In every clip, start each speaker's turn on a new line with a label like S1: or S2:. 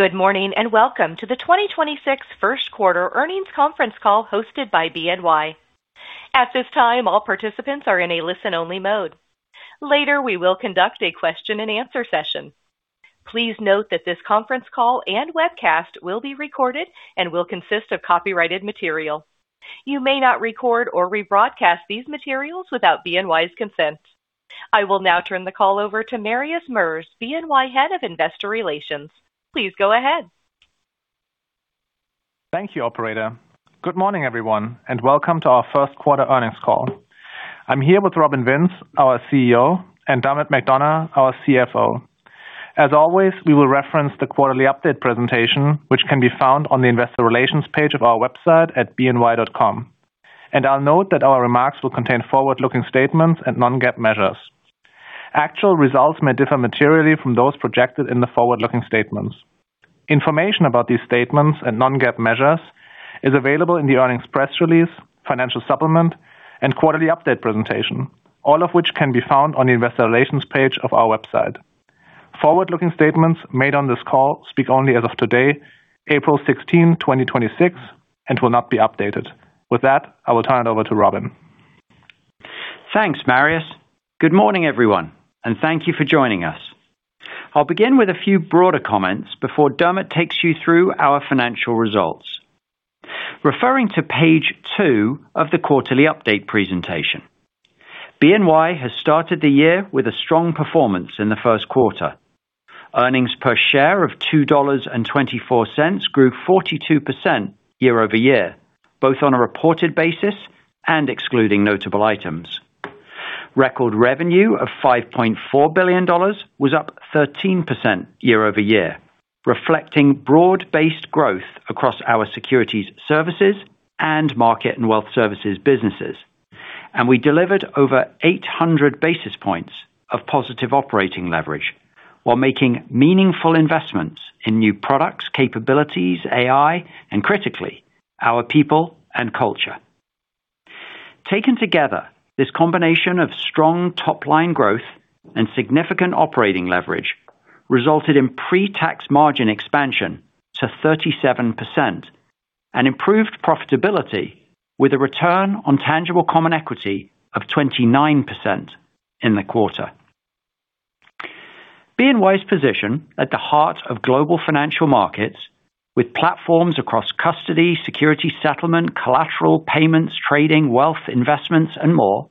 S1: Good morning, and welcome to the 2026 first quarter earnings conference call hosted by BNY. At this time, all participants are in a listen-only mode. Later, we will conduct a question and answer session. Please note that this conference call and webcast will be recorded and will consist of copyrighted material. You may not record or rebroadcast these materials without BNY's consent. I will now turn the call over to Marius Merz, BNY head of investor relations. Please go ahead.
S2: Thank you, operator. Good morning, everyone, and welcome to our first quarter earnings call. I'm here with Robin Vince, our CEO, and Dermot McDonogh, our CFO. As always, we will reference the quarterly update presentation, which can be found on the investor relations page of our website at bny.com. I'll note that our remarks will contain forward-looking statements and non-GAAP measures. Actual results may differ materially from those projected in the forward-looking statements. Information about these statements and non-GAAP measures is available in the earnings press release, financial supplement, and quarterly update presentation, all of which can be found on the investor relations page of our website. Forward-looking statements made on this call speak only as of today, April 16, 2026, and will not be updated. With that, I will turn it over to Robin.
S3: Thanks, Marius. Good morning, everyone, and thank you for joining us. I'll begin with a few broader comments before Dermot takes you through our financial results, referring to page two of the quarterly update presentation. BNY has started the year with a strong performance in the first quarter. Earnings per share of $2.24 grew 42% year-over-year, both on a reported basis and excluding notable items. Record revenue of $5.4 billion was up 13% year-over-year, reflecting broad-based growth across our Securities Services and Market and Wealth Services businesses. We delivered over 800 basis points of positive operating leverage while making meaningful investments in new products, capabilities, AI, and critically, our people and culture. Taken together, this combination of strong top-line growth and significant operating leverage resulted in pre-tax margin expansion to 37% and improved profitability with a return on tangible common equity of 29% in the quarter. BNY's position at the heart of global financial markets with platforms across custody, securities settlement, collateral payments, trading, wealth investments, and more,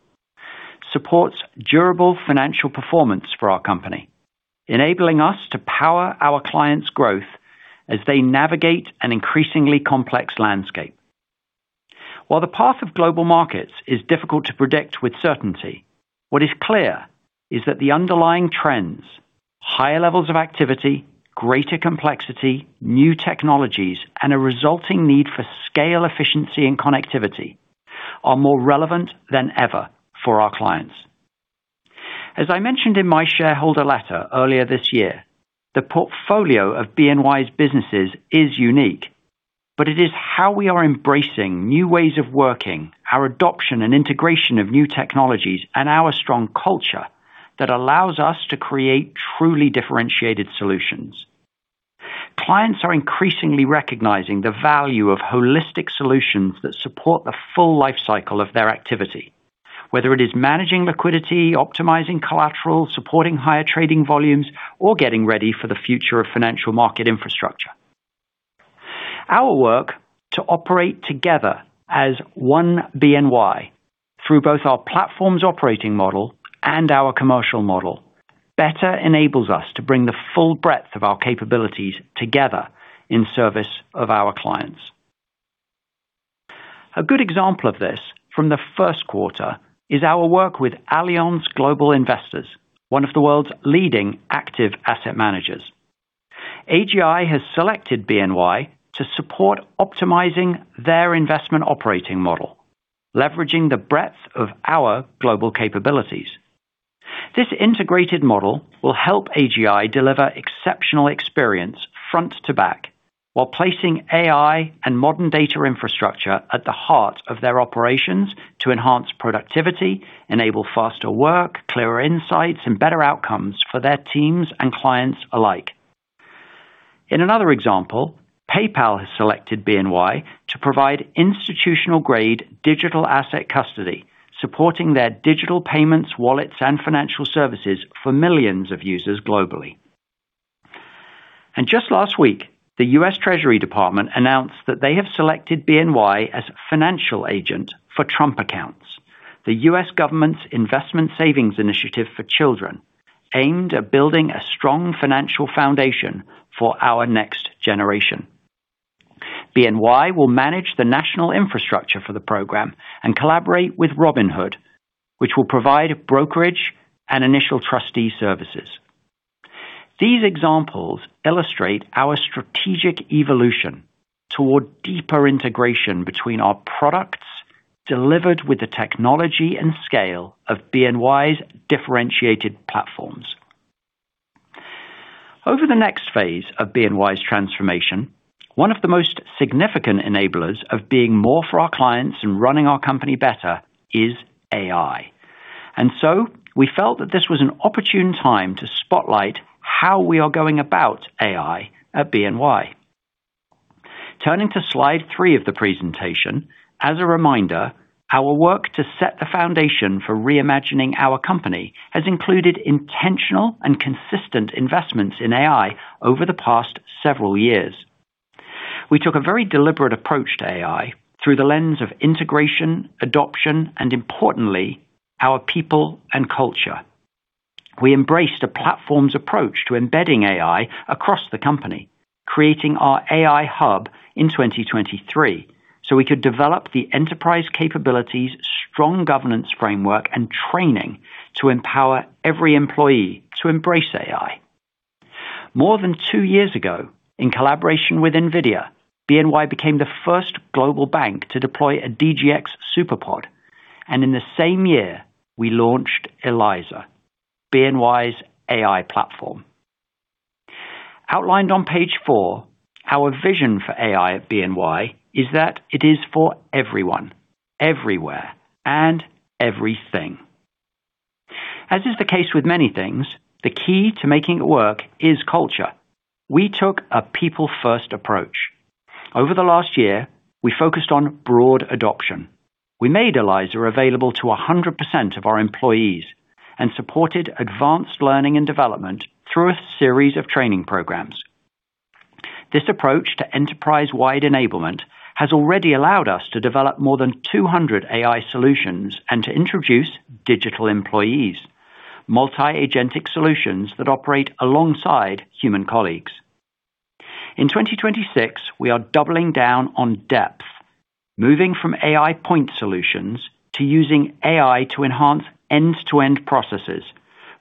S3: supports durable financial performance for our company, enabling us to power our clients' growth as they navigate an increasingly complex landscape. While the path of global markets is difficult to predict with certainty, what is clear is that the underlying trends, higher levels of activity, greater complexity, new technologies, and a resulting need for scale efficiency and connectivity are more relevant than ever for our clients. As I mentioned in my shareholder letter earlier this year, the portfolio of BNY's businesses is unique, but it is how we are embracing new ways of working, our adoption and integration of new technologies, and our strong culture that allows us to create truly differentiated solutions. Clients are increasingly recognizing the value of holistic solutions that support the full life cycle of their activity, whether it is managing liquidity, optimizing collateral, supporting higher trading volumes, or getting ready for the future of financial market infrastructure. Our work to operate together as one BNY through both our platforms operating model and our commercial model better enables us to bring the full breadth of our capabilities together in service of our clients. A good example of this from the first quarter is our work with Allianz Global Investors, one of the world's leading active asset managers. AGI has selected BNY to support optimizing their investment operating model, leveraging the breadth of our global capabilities. This integrated model will help AGI deliver exceptional experience front to back while placing AI and modern data infrastructure at the heart of their operations to enhance productivity, enable faster work, clearer insights, and better outcomes for their teams and clients alike. In another example, PayPal has selected BNY to provide institutional-grade digital asset custody, supporting their digital payments, wallets, and financial services for millions of users globally. Just last week, the U.S. Department of the Treasury announced that they have selected BNY as financial agent for Trump Accounts, the U.S. government's investment savings initiative for children aimed at building a strong financial foundation for our next generation. BNY will manage the national infrastructure for the program and collaborate with Robinhood, which will provide brokerage and initial trustee services. These examples illustrate our strategic evolution toward deeper integration between our products delivered with the technology and scale of BNY's differentiated platforms. Over the next phase of BNY's transformation, one of the most significant enablers of being more for our clients and running our company better is AI. We felt that this was an opportune time to spotlight how we are going about AI at BNY. Turning to slide 3 of the presentation. As a reminder, our work to set the foundation for reimagining our company has included intentional and consistent investments in AI over the past several years. We took a very deliberate approach to AI through the lens of integration, adoption, and importantly, our people and culture. We embraced a platform approach to embedding AI across the company, creating our AI Hub in 2023, so we could develop the enterprise capabilities, strong governance framework, and training to empower every employee to embrace AI. More than 2 years ago, in collaboration with NVIDIA, BNY became the first global bank to deploy a DGX SuperPOD, and in the same year, we launched Eliza, BNY's AI platform. Outlined on page 4, our vision for AI at BNY is that it is for everyone, everywhere, and everything. As is the case with many things, the key to making it work is culture. We took a people first approach. Over the last year, we focused on broad adoption. We made Eliza available to 100% of our employees and supported advanced learning and development through a series of training programs. This approach to enterprise-wide enablement has already allowed us to develop more than 200 AI solutions and to introduce digital employees, multi-agentic solutions that operate alongside human colleagues. In 2026, we are doubling down on depth, moving from AI point solutions to using AI to enhance end-to-end processes,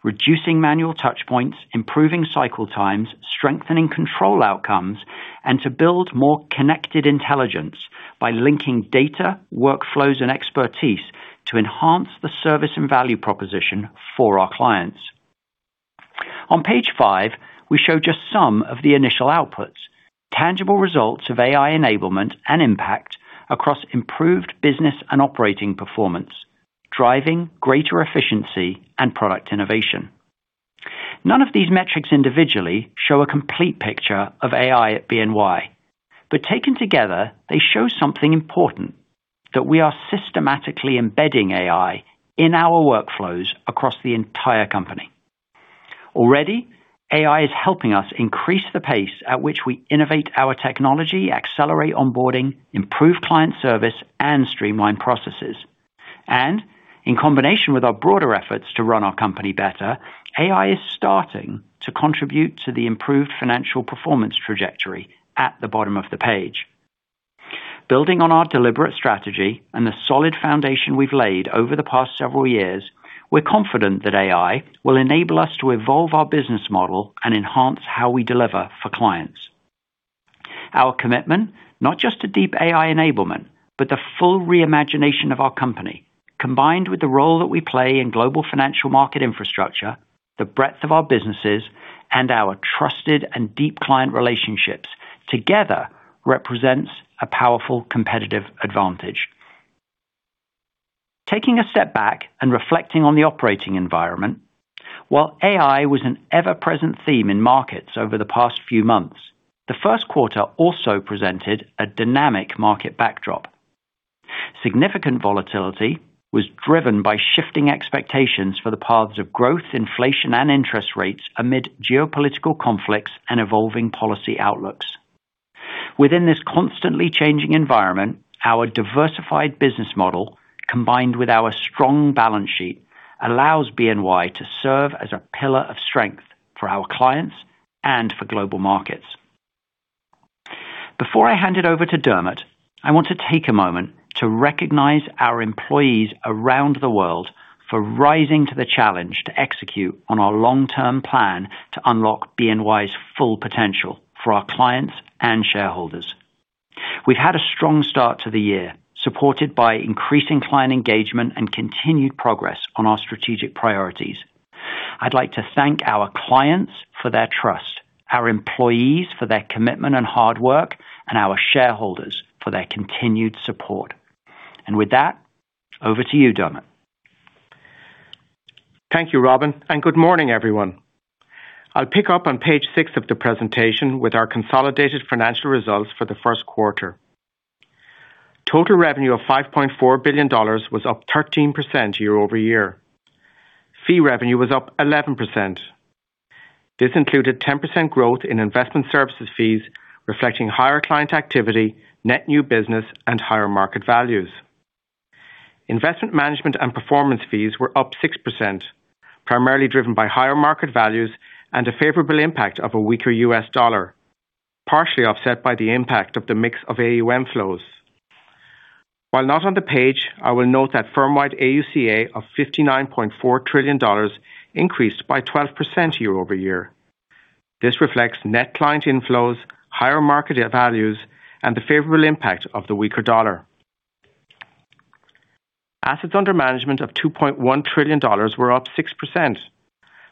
S3: reducing manual touch points, improving cycle times, strengthening control outcomes, and to build more connected intelligence by linking data, workflows, and expertise to enhance the service and value proposition for our clients. On page five, we show just some of the initial outputs, tangible results of AI enablement and impact across improved business and operating performance, driving greater efficiency and product innovation. None of these metrics individually show a complete picture of AI at BNY, but taken together, they show something important, that we are systematically embedding AI in our workflows across the entire company. Already, AI is helping us increase the pace at which we innovate our technology, accelerate onboarding, improve client service, and streamline processes. In combination with our broader efforts to run our company better, AI is starting to contribute to the improved financial performance trajectory at the bottom of the page. Building on our deliberate strategy and the solid foundation we've laid over the past several years, we're confident that AI will enable us to evolve our business model and enhance how we deliver for clients. Our commitment, not just to deep AI enablement, but the full reimagination of our company, combined with the role that we play in global financial market infrastructure, the breadth of our businesses, and our trusted and deep client relationships together represents a powerful competitive advantage. Taking a step back and reflecting on the operating environment. While AI was an ever-present theme in markets over the past few months, the first quarter also presented a dynamic market backdrop. Significant volatility was driven by shifting expectations for the paths of growth, inflation, and interest rates amid geopolitical conflicts and evolving policy outlooks. Within this constantly changing environment, our diversified business model, combined with our strong balance sheet, allows BNY to serve as a pillar of strength for our clients and for global markets. Before I hand it over to Dermot, I want to take a moment to recognize our employees around the world for rising to the challenge to execute on our long-term plan to unlock BNY's full potential for our clients and shareholders. We've had a strong start to the year, supported by increasing client engagement and continued progress on our strategic priorities. I'd like to thank our clients for their trust, our employees for their commitment and hard work, and our shareholders for their continued support. With that, over to you, Dermot.
S4: Thank you, Robin, and good morning, everyone. I'll pick up on page 6 of the presentation with our consolidated financial results for the first quarter. Total revenue of $5.4 billion was up 13% year-over-year. Fee revenue was up 11%. This included 10% growth in investment services fees, reflecting higher client activity, net new business, and higher market values. Investment management and performance fees were up 6%, primarily driven by higher market values and a favorable impact of a weaker U.S. dollar, partially offset by the impact of the mix of AUM flows. While not on the page, I will note that firmwide AUCA of $59.4 trillion increased by 12% year-over-year. This reflects net client inflows, higher market values, and the favorable impact of the weaker dollar. Assets under management of $2.1 trillion were up 6%,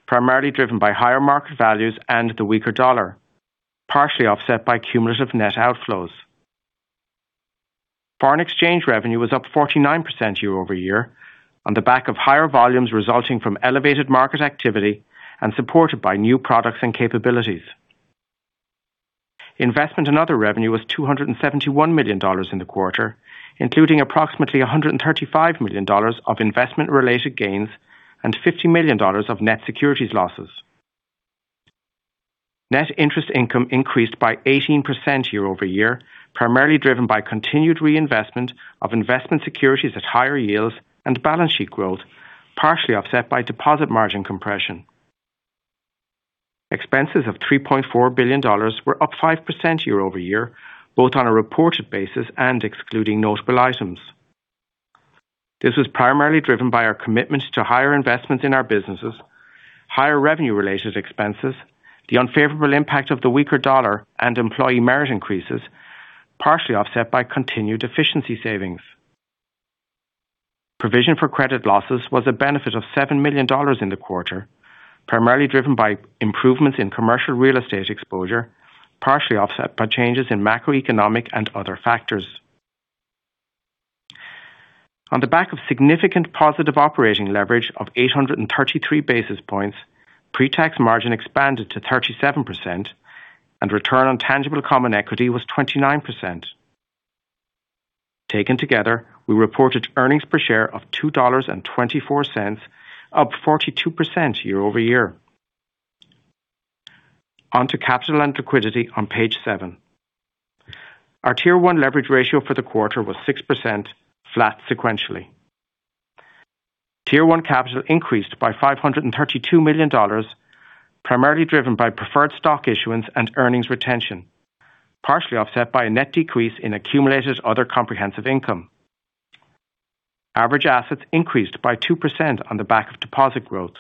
S4: primarily driven by higher market values and the weaker dollar, partially offset by cumulative net outflows. Foreign exchange revenue was up 49% year over year on the back of higher volumes resulting from elevated market activity and supported by new products and capabilities. Investment in other revenue was $271 million in the quarter, including approximately $135 million of investment-related gains and $50 million of net securities losses. Net interest income increased by 18% year over year, primarily driven by continued reinvestment of investment securities at higher yields and balance sheet growth, partially offset by deposit margin compression. Expenses of $3.4 billion were up 5% year over year, both on a reported basis and excluding notable items. This was primarily driven by our commitment to higher investments in our businesses, higher revenue related expenses, the unfavorable impact of the weaker dollar, and employee merit increases, partially offset by continued efficiency savings. Provision for credit losses was a benefit of $7 million in the quarter, primarily driven by improvements in commercial real estate exposure, partially offset by changes in macroeconomic and other factors. On the back of significant positive operating leverage of 833 basis points, pre-tax margin expanded to 37% and return on tangible common equity was 29%. Taken together, we reported earnings per share of $2.24, up 42% year-over-year. Onto capital and liquidity on page seven. Our Tier 1 leverage ratio for the quarter was 6%, flat sequentially. Tier 1 capital increased by $532 million, primarily driven by preferred stock issuance and earnings retention, partially offset by a net decrease in accumulated other comprehensive income. Average assets increased by 2% on the back of deposit growth.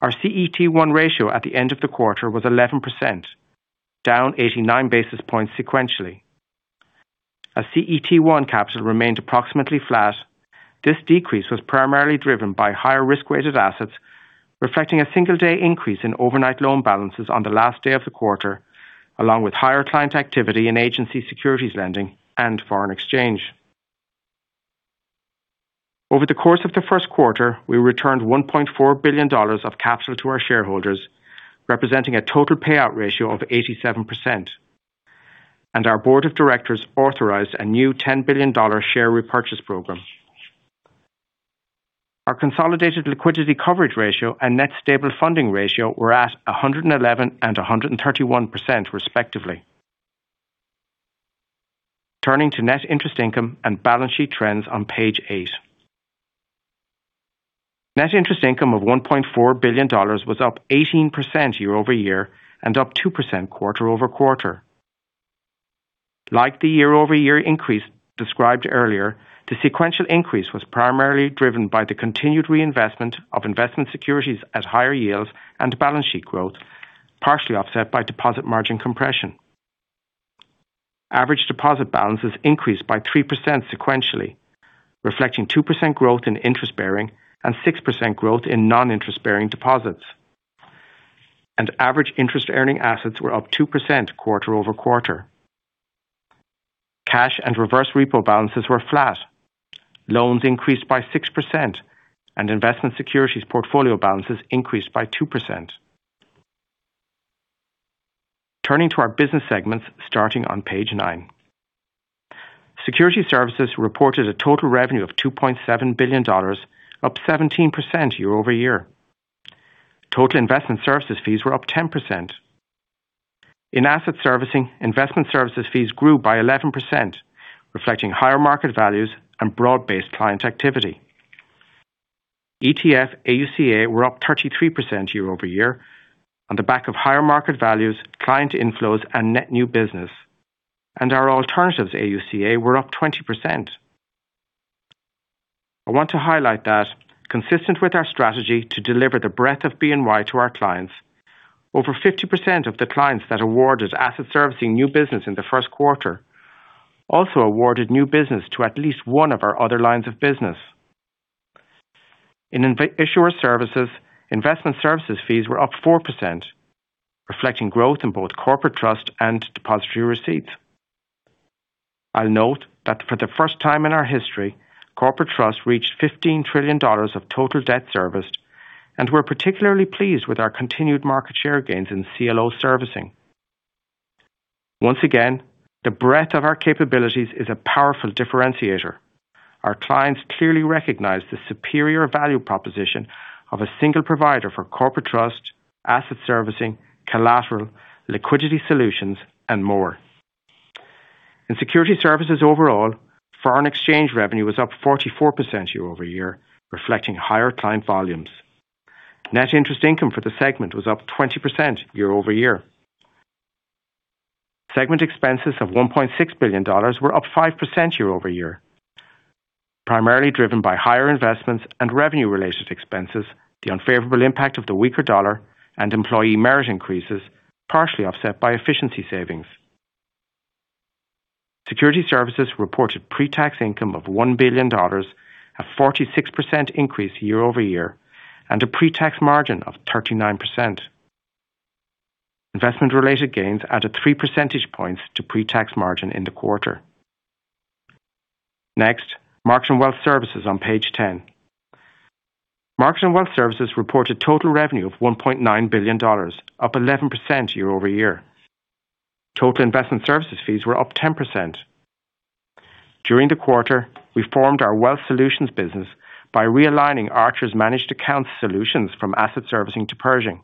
S4: Our CET1 ratio at the end of the quarter was 11%, down 89 basis points sequentially. As CET1 capital remained approximately flat, this decrease was primarily driven by higher risk-weighted assets, reflecting a single day increase in overnight loan balances on the last day of the quarter, along with higher client activity in agency securities lending and foreign exchange. Over the course of the first quarter, we returned $1.4 billion of capital to our shareholders, representing a total payout ratio of 87%. Our board of directors authorized a new $10 billion share repurchase program. Our consolidated liquidity coverage ratio and net stable funding ratio were at 111% and 131%, respectively. Turning to net interest income and balance sheet trends on page eight. Net interest income of $1.4 billion was up 18% year-over-year and up 2% quarter-over-quarter. Like the year-over-year increase described earlier, the sequential increase was primarily driven by the continued reinvestment of investment securities at higher yields and balance sheet growth, partially offset by deposit margin compression. Average deposit balances increased by 3% sequentially, reflecting 2% growth in interest-bearing and 6% growth in non-interest-bearing deposits. Average interest earning assets were up 2% quarter-over-quarter. Cash and reverse repo balances were flat. Loans increased by 6% and investment securities portfolio balances increased by 2%. Turning to our business segments starting on page nine. Securities Services reported a total revenue of $2.7 billion, up 17% year-over-year. Total investment services fees were up 10%. In asset servicing, investment services fees grew by 11%, reflecting higher market values and broad-based client activity. ETF AUA were up 33% year-over-year on the back of higher market values, client inflows, and net new business. Our alternatives AUA were up 20%. I want to highlight that consistent with our strategy to deliver the breadth of BNY to our clients, over 50% of the clients that awarded asset servicing new business in the first quarter also awarded new business to at least one of our other lines of business. In issuer services, investment services fees were up 4%, reflecting growth in both corporate trust and depository receipts. I'll note that for the first time in our history, corporate trust reached $15 trillion of total debt serviced, and we're particularly pleased with our continued market share gains in CLO servicing. Once again, the breadth of our capabilities is a powerful differentiator. Our clients clearly recognize the superior value proposition of a single provider for corporate trust, asset servicing, collateral, liquidity solutions, and more. In Securities Services overall, foreign exchange revenue was up 44% year-over-year, reflecting higher client volumes. Net interest income for the segment was up 20% year-over-year. Segment expenses of $1.6 billion were up 5% year-over-year, primarily driven by higher investments and revenue-related expenses, the unfavorable impact of the weaker dollar, and employee merit increases, partially offset by efficiency savings. Securities Services reported pre-tax income of $1 billion, a 46% increase year-over-year, and a pre-tax margin of 39%. Investment-related gains added three percentage points to pre-tax margin in the quarter. Next, Market and Wealth Services on page 10. Market and Wealth Services reported total revenue of $1.9 billion, up 11% year-over-year. Total investment services fees were up 10%. During the quarter, we formed our Wealth Solutions business by realigning Archer's managed account solutions from asset servicing to Pershing.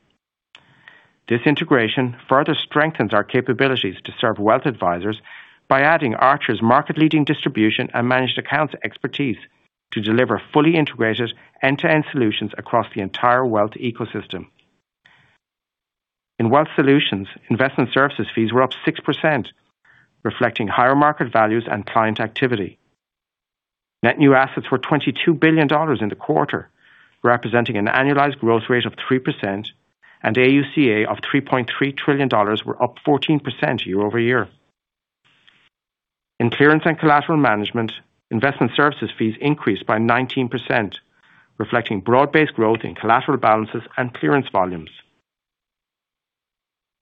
S4: This integration further strengthens our capabilities to serve wealth advisors by adding Archer's market-leading distribution and managed accounts expertise to deliver fully integrated end-to-end solutions across the entire wealth ecosystem. In Wealth Solutions, investment services fees were up 6%, reflecting higher market values and client activity. Net new assets were $22 billion in the quarter, representing an annualized growth rate of 3% and AUCA of $3.3 trillion were up 14% year-over-year. In clearance and collateral management, investment services fees increased by 19%, reflecting broad-based growth in collateral balances and clearance volumes.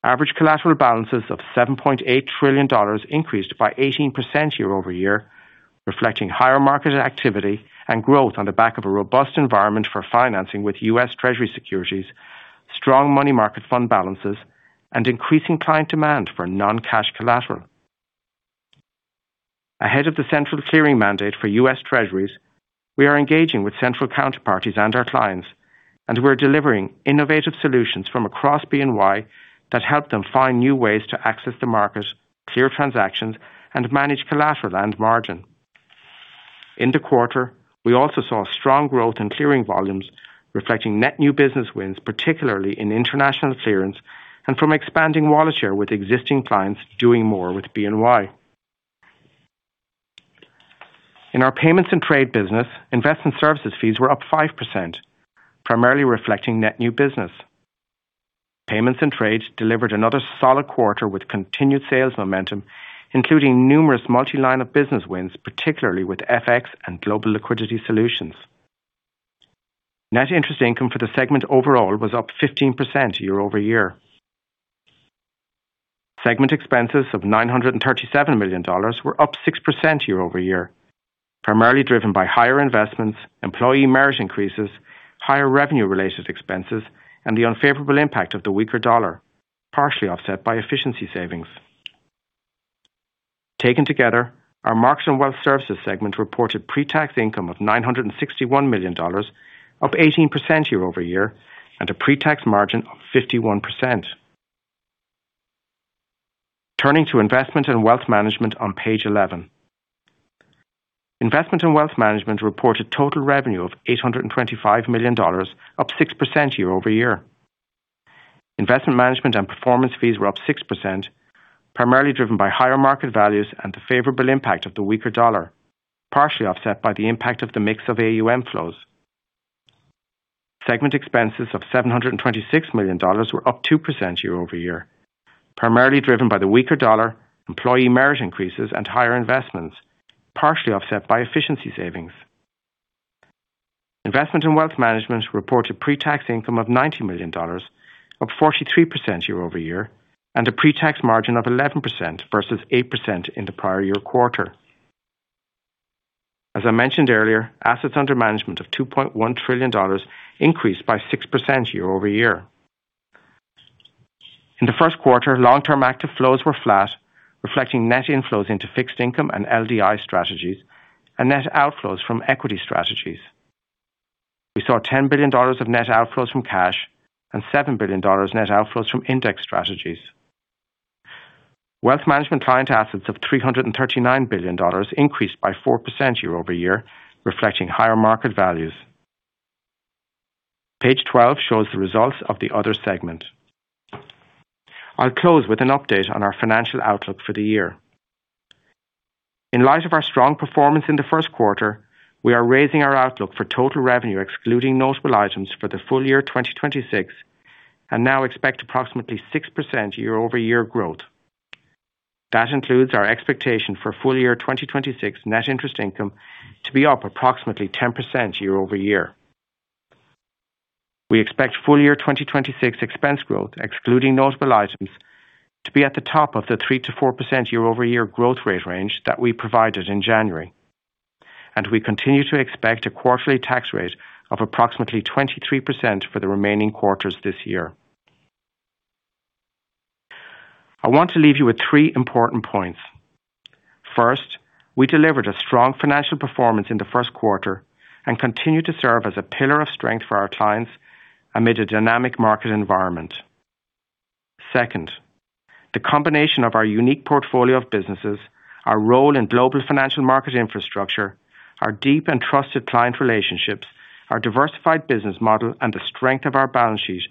S4: Average collateral balances of $7.8 trillion increased by 18% year-over-year, reflecting higher market activity and growth on the back of a robust environment for financing with U.S. Treasury securities, strong money market fund balances, and increasing client demand for non-cash collateral. Ahead of the central clearing mandate for U.S. Treasuries, we are engaging with central counterparties and our clients, and we're delivering innovative solutions from across BNY that help them find new ways to access the market, clear transactions, and manage collateral and margin. In the quarter, we also saw strong growth in clearing volumes, reflecting net new business wins, particularly in international clearance and from expanding wallet share with existing clients doing more with BNY. In our payments and trade business, investment services fees were up 5%, primarily reflecting net new business. Payments and trade delivered another solid quarter with continued sales momentum, including numerous multi-line of business wins, particularly with FX and global liquidity solutions. Net interest income for the segment overall was up 15% year-over-year. Segment expenses of $937 million were up 6% year-over-year, primarily driven by higher investments, employee merit increases, higher revenue-related expenses, and the unfavorable impact of the weaker dollar, partially offset by efficiency savings. Taken together, our Market and Wealth Services segment reported pre-tax income of $961 million, up 18% year-over-year, and a pre-tax margin of 51%. Turning to Investment and Wealth Management on page eleven. Investment and Wealth Management reported total revenue of $825 million, up 6% year-over-year. Investment management and performance fees were up 6%, primarily driven by higher market values and the favorable impact of the weaker dollar, partially offset by the impact of the mix of AUM flows. Segment expenses of $726 million were up 2% year-over-year, primarily driven by the weaker dollar, employee merit increases, and higher investments, partially offset by efficiency savings. Investment & Wealth Management reported pre-tax income of $90 million, up 43% year-over-year, and a pre-tax margin of 11% versus 8% in the prior year quarter. As I mentioned earlier, assets under management of $2.1 trillion increased by 6% year-over-year. In the first quarter, long-term active flows were flat, reflecting net inflows into fixed income and LDI strategies and net outflows from equity strategies. We saw $10 billion of net outflows from cash and $7 billion net outflows from index strategies. Wealth Management client assets of $339 billion increased by 4% year-over-year, reflecting higher market values. Page 12 shows the results of the other segment. I'll close with an update on our financial outlook for the year. In light of our strong performance in the first quarter, we are raising our outlook for total revenue, excluding notable items for the full year 2026, and now expect approximately 6% year-over-year growth. That includes our expectation for full year 2026 net interest income to be up approximately 10% year-over-year. We expect full year 2026 expense growth, excluding notable items, to be at the top of the 3%-4% year-over-year growth rate range that we provided in January. We continue to expect a quarterly tax rate of approximately 23% for the remaining quarters this year. I want to leave you with three important points. First, we delivered a strong financial performance in the first quarter and continue to serve as a pillar of strength for our clients amid a dynamic market environment. Second, the combination of our unique portfolio of businesses, our role in global financial market infrastructure, our deep and trusted client relationships, our diversified business model, and the strength of our balance sheet,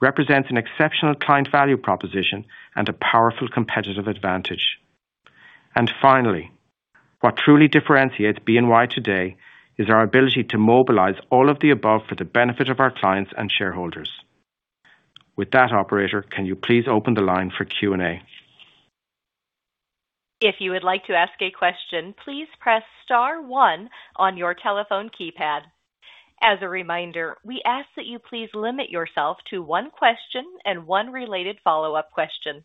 S4: represents an exceptional client value proposition and a powerful competitive advantage. Finally, what truly differentiates BNY today is our ability to mobilize all of the above for the benefit of our clients and shareholders. With that, operator, can you please open the line for Q&A?
S1: If you would like to ask a question, please press star one on your telephone keypad. As a reminder, we ask that you please limit yourself to one question and one related follow-up question.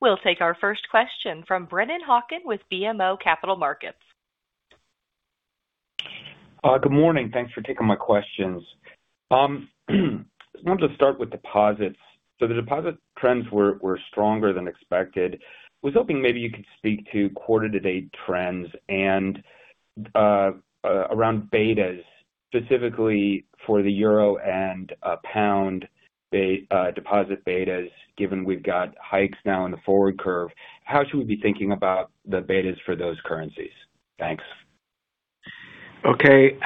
S1: We'll take our first question from Brennan Hawken with BMO Capital Markets.
S5: Good morning. Thanks for taking my questions. I wanted to start with deposits. The deposit trends were stronger than expected. Was hoping maybe you could speak to quarter to date trends and around betas, specifically for the euro and pound deposit betas, given we've got hikes now in the forward curve. How should we be thinking about the betas for those currencies? Thanks.
S4: Okay.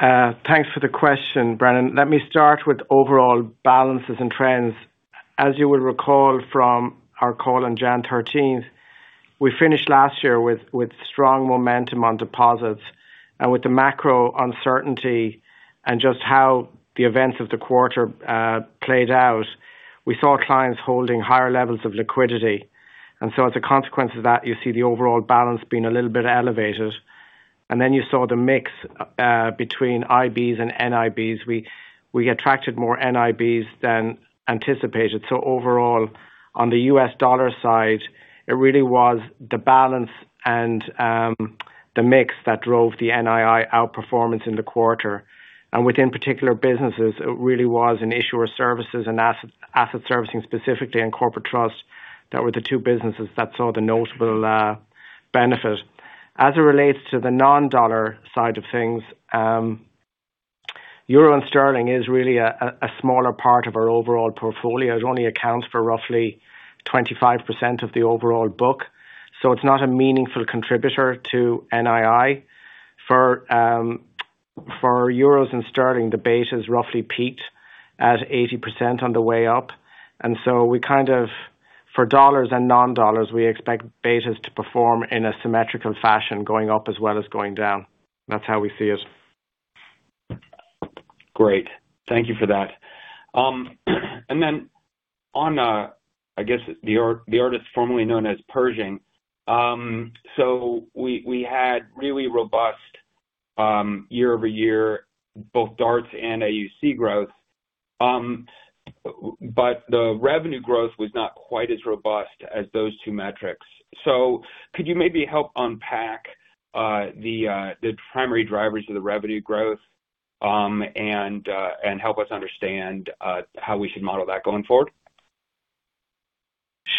S4: Thanks for the question, Brennan. Let me start with overall balances and trends. As you will recall from our call on January 13th, we finished last year with strong momentum on deposits. With the macro uncertainty and just how the events of the quarter played out, we saw clients holding higher levels of liquidity. As a consequence of that, you see the overall balance being a little bit elevated. Then you saw the mix between IBs and NIBs. We attracted more NIBs than anticipated. Overall, on the US dollar side, it really was the balance and the mix that drove the NII outperformance in the quarter. Within particular businesses, it really was an issuer services and asset servicing specifically and corporate trust that were the two businesses that saw the notable benefit. As it relates to the non-dollar side of things, euro and sterling is really a smaller part of our overall portfolio. It only accounts for roughly 25% of the overall book, so it's not a meaningful contributor to NII. For euros and sterling, the betas roughly peaked at 80% on the way up. We kind of, for dollars and non-dollars, we expect betas to perform in a symmetrical fashion, going up as well as going down. That's how we see it.
S5: Great. Thank you for that. Then on, I guess the arm that's formerly known as Pershing. We had really robust year-over-year, both DARTs and AUC growth. The revenue growth was not quite as robust as those two metrics. Could you maybe help unpack the primary drivers of the revenue growth, and help us understand how we should model that going forward?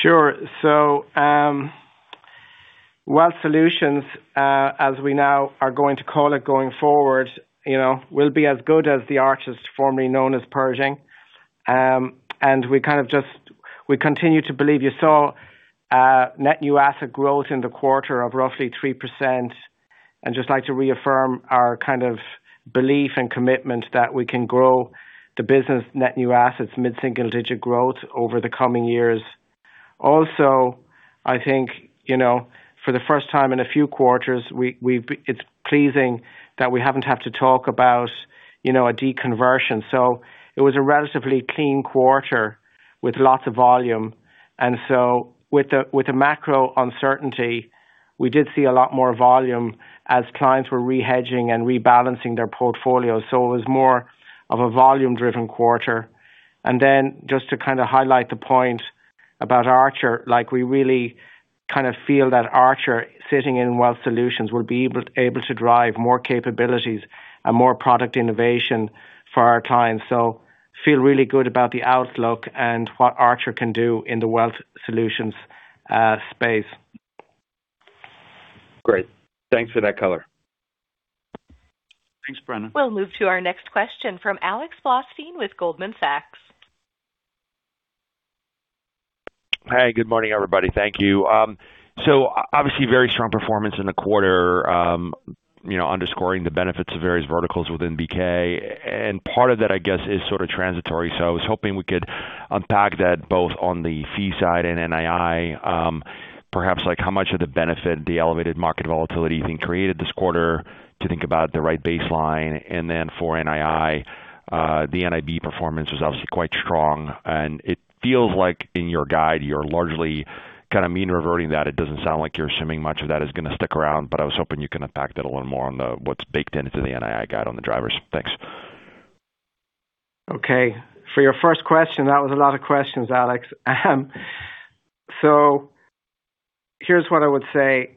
S4: Sure. Wealth Solutions, as we now are going to call it going forward, will be as good as the artist formerly known as Pershing. We continue to believe you saw net new asset growth in the quarter of roughly 3%. I'd just like to reaffirm our kind of belief and commitment that we can grow the business net new assets mid-single digit growth over the coming years. Also, I think, for the first time in a few quarters, it's pleasing that we haven't had to talk about a deconversion. It was a relatively clean quarter with lots of volume. With the macro uncertainty, we did see a lot more volume as clients were rehedging and rebalancing their portfolios. It was more of a volume-driven quarter. Just to kind of highlight the point about Archer, we really kind of feel that Archer sitting in Wealth Solutions will be able to drive more capabilities and more product innovation for our clients. We feel really good about the outlook and what Archer can do in the Wealth Solutions space.
S5: Great. Thanks for that color.
S4: Thanks, Brennan.
S1: We'll move to our next question from Alex Blostein with Goldman Sachs.
S6: Hi, good morning, everybody. Thank you. Obviously, very strong performance in the quarter underscoring the benefits of various verticals within BK. Part of that, I guess, is sort of transitory. I was hoping we could unpack that both on the fee side and NII. Perhaps like how much of the benefit the elevated market volatility thing created this quarter to think about the right baseline. Then for NII, the NIB performance was obviously quite strong, and it feels like in your guide, you're largely kind of mean reverting that. It doesn't sound like you're assuming much of that is going to stick around, but I was hoping you can unpack that a little more on what's baked into the NII guide on the drivers. Thanks.
S4: Okay. For your first question, that was a lot of questions, Alex. Here's what I would say.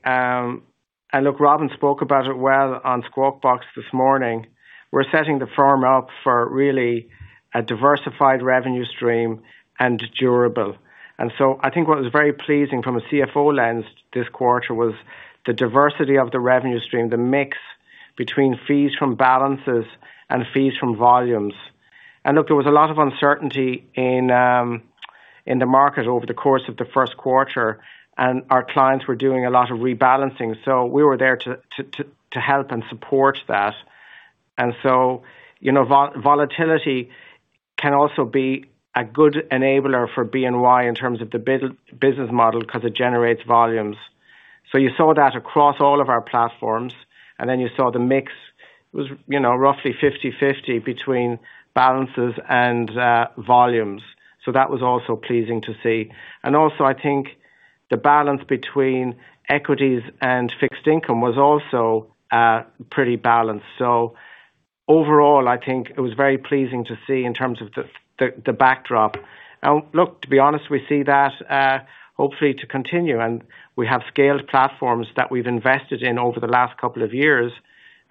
S4: Look, Robin spoke about it well on Squawk Box this morning. We're setting the firm up for really a diversified revenue stream and durable. I think what was very pleasing from a CFO lens this quarter was the diversity of the revenue stream, the mix between fees from balances and fees from volumes. Look, there was a lot of uncertainty in the market over the course of the first quarter, and our clients were doing a lot of rebalancing. We were there to help and support that. Volatility can also be a good enabler for BNY in terms of the business model because it generates volumes. You saw that across all of our platforms, and then you saw the mix. It was roughly 50-50 between balances and volumes. That was also pleasing to see. Also, I think the balance between equities and fixed income was also pretty balanced. Overall, I think it was very pleasing to see in terms of the backdrop. Look, to be honest, we see that hopefully to continue, and we have scaled platforms that we've invested in over the last couple of years.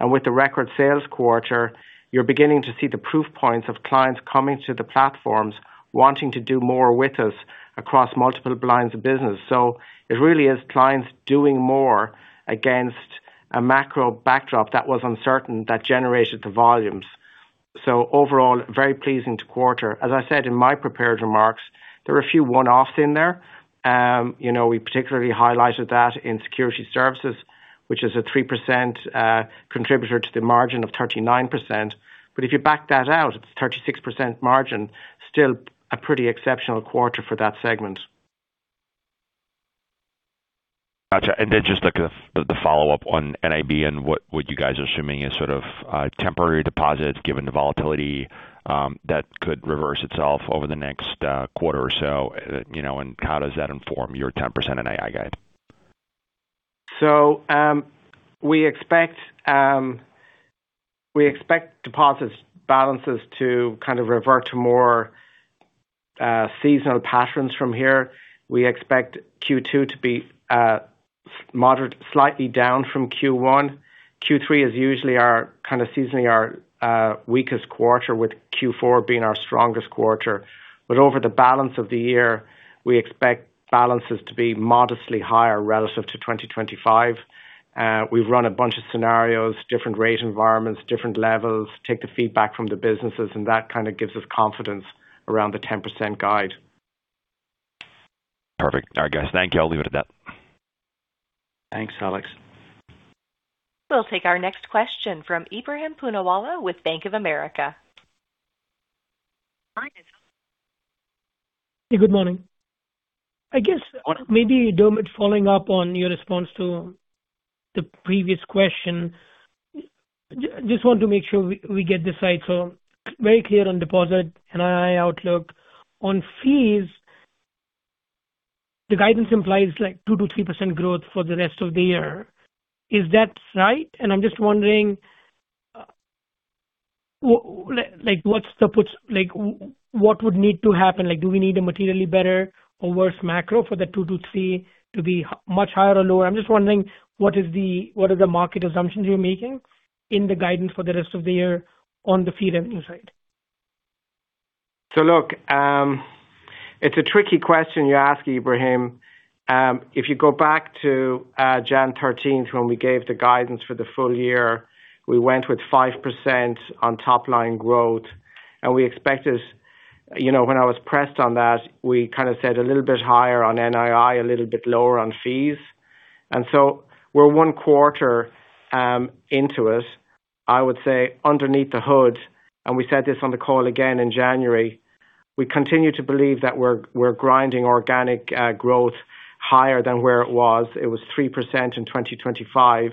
S4: With the record sales quarter, you're beginning to see the proof points of clients coming to the platforms, wanting to do more with us across multiple lines of business. It really is clients doing more against a macro backdrop that was uncertain, that generated the volumes. Overall, very pleasing quarter. As I said in my prepared remarks, there are a few one-offs in there. We particularly highlighted that in Securities Services, which is a 3% contributor to the margin of 39%. If you back that out, it's 36% margin, still a pretty exceptional quarter for that segment.
S6: Got you. Just the follow-up on NIB and what you guys are assuming is sort of temporary deposits given the volatility that could reverse itself over the next quarter or so, and how does that inform your 10% NII guide?
S4: We expect deposit balances to kind of revert to more seasonal patterns from here. We expect Q2 to be slightly down from Q1. Q3 is usually our kind of seasonally weakest quarter, with Q4 being our strongest quarter. Over the balance of the year, we expect balances to be modestly higher relative to 2025. We've run a bunch of scenarios, different rate environments, different levels, take the feedback from the businesses, and that kind of gives us confidence around the 10% guide.
S6: Perfect. All right, guys. Thank you. I'll leave it at that.
S4: Thanks, Alex.
S1: We'll take our next question from Ebrahim Poonawala with Bank of America.
S7: Hey, good morning. I guess maybe, Dermot, following up on your response to the previous question, just want to make sure we get this right. Very clear on deposit NII outlook. On fees, the guidance implies like 2%-3% growth for the rest of the year. Is that right? I'm just wondering, what would need to happen? Do we need a materially better or worse macro for the 2-3 to be much higher or lower? I'm just wondering, what are the market assumptions you're making in the guidance for the rest of the year on the fee revenue side?
S4: Look, it's a tricky question you ask, Ebrahim. If you go back to January 13th when we gave the guidance for the full year, we went with 5% on top line growth, and we expected, when I was pressed on that, we kind of said a little bit higher on NII, a little bit lower on fees. We're one quarter into it, I would say underneath the hood, and we said this on the call again in January, we continue to believe that we're grinding organic growth higher than where it was. It was 3% in 2025.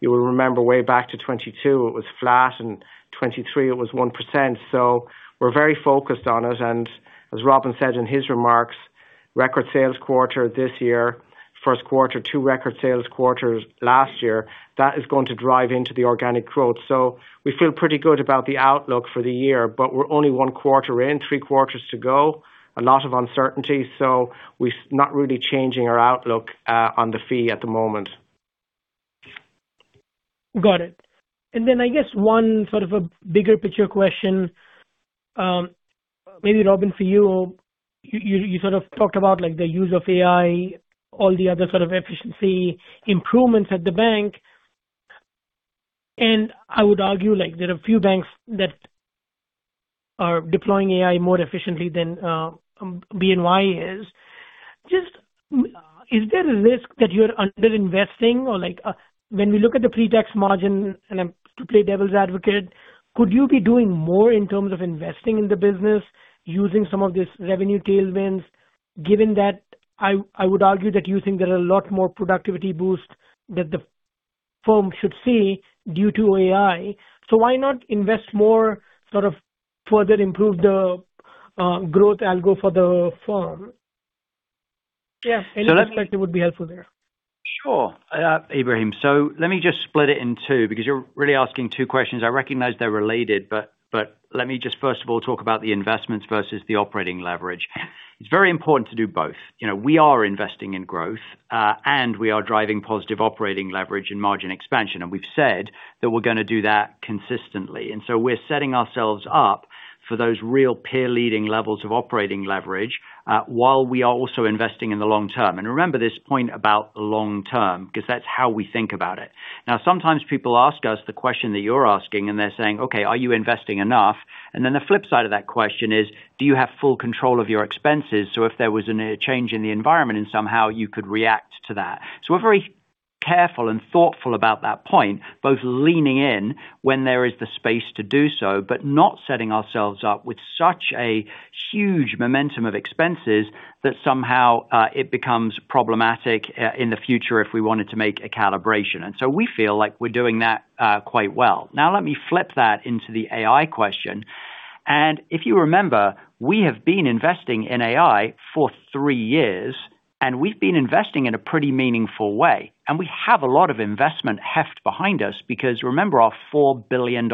S4: You will remember way back to 2022, it was flat, and 2023 it was 1%. We're very focused on it, and as Robin said in his remarks, record sales quarter this year, first quarter, two record sales quarters last year. That is going to drive into the organic growth. We feel pretty good about the outlook for the year, but we're only 1 quarter in, Q3 to go. A lot of uncertainty. We're not really changing our outlook on the fee at the moment.
S7: Got it. I guess one sort of a bigger picture question, maybe Robin, for you. You sort of talked about the use of AI, all the other sort of efficiency improvements at the bank. I would argue like there are a few banks that are deploying AI more efficiently than BNY is. Just is there a risk that you're under-investing or when we look at the pre-tax margin, and to play devil's advocate, could you be doing more in terms of investing in the business using some of these revenue tailwinds, given that I would argue that you think there are a lot more productivity boost that the firm should see due to AI. Why not invest more sort of further improve the growth algo for the firm? Any perspective would be helpful there.
S4: Sure. Ebrahim. Let me just split it in two, because you're really asking two questions. I recognize they're related, but let me just first of all talk about the investments versus the operating leverage. It's very important to do both. We are investing in growth, and we are driving positive operating leverage and margin expansion. We've said that we're going to do that consistently. We're setting ourselves up for those real peer leading levels of operating leverage while we are also investing in the long term. Remember this point about long term, because that's how we think about it. Now, sometimes people ask us the question that you're asking, and they're saying, "Okay, are you investing enough?" The flip side of that question is, "Do you have full control of your expenses?" If there was a change in the environment and somehow you could react to that. We're very careful and thoughtful about that point, both leaning in when there is the space to do so, but not setting ourselves up with such a huge momentum of expenses that somehow it becomes problematic in the future if we wanted to make a calibration. We feel like we're doing that quite well. Now let me flip that into the AI question.
S3: If you remember, we have been investing in AI for three years, and we've been investing in a pretty meaningful way. We have a lot of investment heft behind us because remember our $4 billion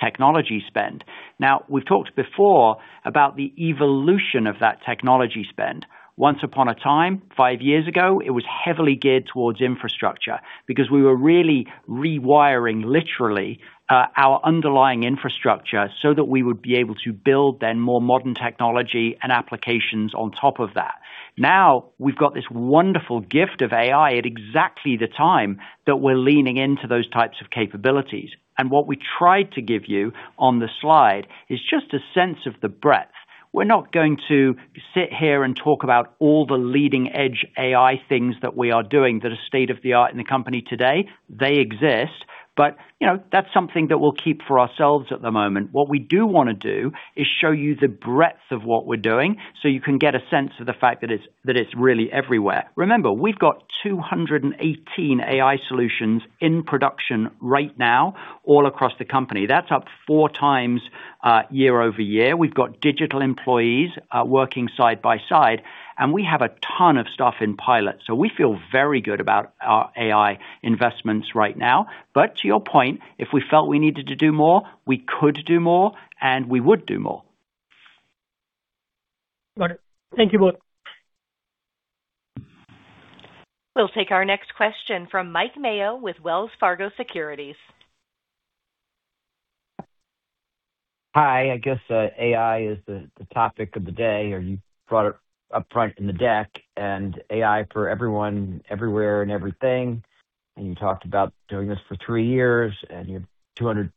S3: technology spend. Now, we've talked before about the evolution of that technology spend. Once upon a time, five years ago, it was heavily geared towards infrastructure because we were really rewiring, literally, our underlying infrastructure so that we would be able to build then more modern technology and applications on top of that. Now we've got this wonderful gift of AI at exactly the time that we're leaning into those types of capabilities. What we tried to give you on the slide is just a sense of the breadth. We're not going to sit here and talk about all the leading-edge AI things that we are doing that are state-of-the-art in the company today. They exist, but that's something that we'll keep for ourselves at the moment. What we do want to do is show you the breadth of what we're doing so you can get a sense of the fact that it's really everywhere. Remember, we've got 218 AI solutions in production right now all across the company. That's up four times year-over-year. We've got digital employees working side by side, and we have a ton of stuff in pilot. We feel very good about our AI investments right now. To your point, if we felt we needed to do more, we could do more and we would do more.
S7: Got it. Thank you both.
S1: We'll take our next question from Mike Mayo with Wells Fargo Securities.
S8: Hi. I guess AI is the topic of the day, or you brought it up front in the deck, and AI for everyone, everywhere, and everything. You talked about doing this for three years and you have 200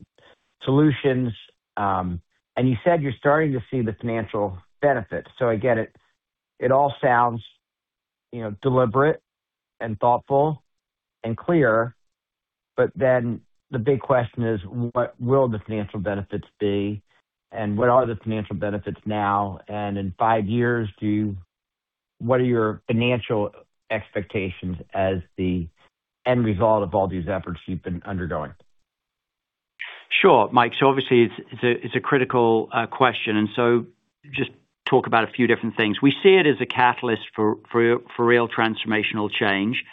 S8: solutions. You said you're starting to see the financial benefits. I get it. It all sounds deliberate and thoughtful and clear. The big question is what will the financial benefits be? What are the financial benefits now? In five years, what are your financial expectations as the end result of all these efforts you've been undergoing?
S3: Sure, Mike. Obviously it's a critical question, and so just talk about a few different things. We see it as a catalyst for real transformational change.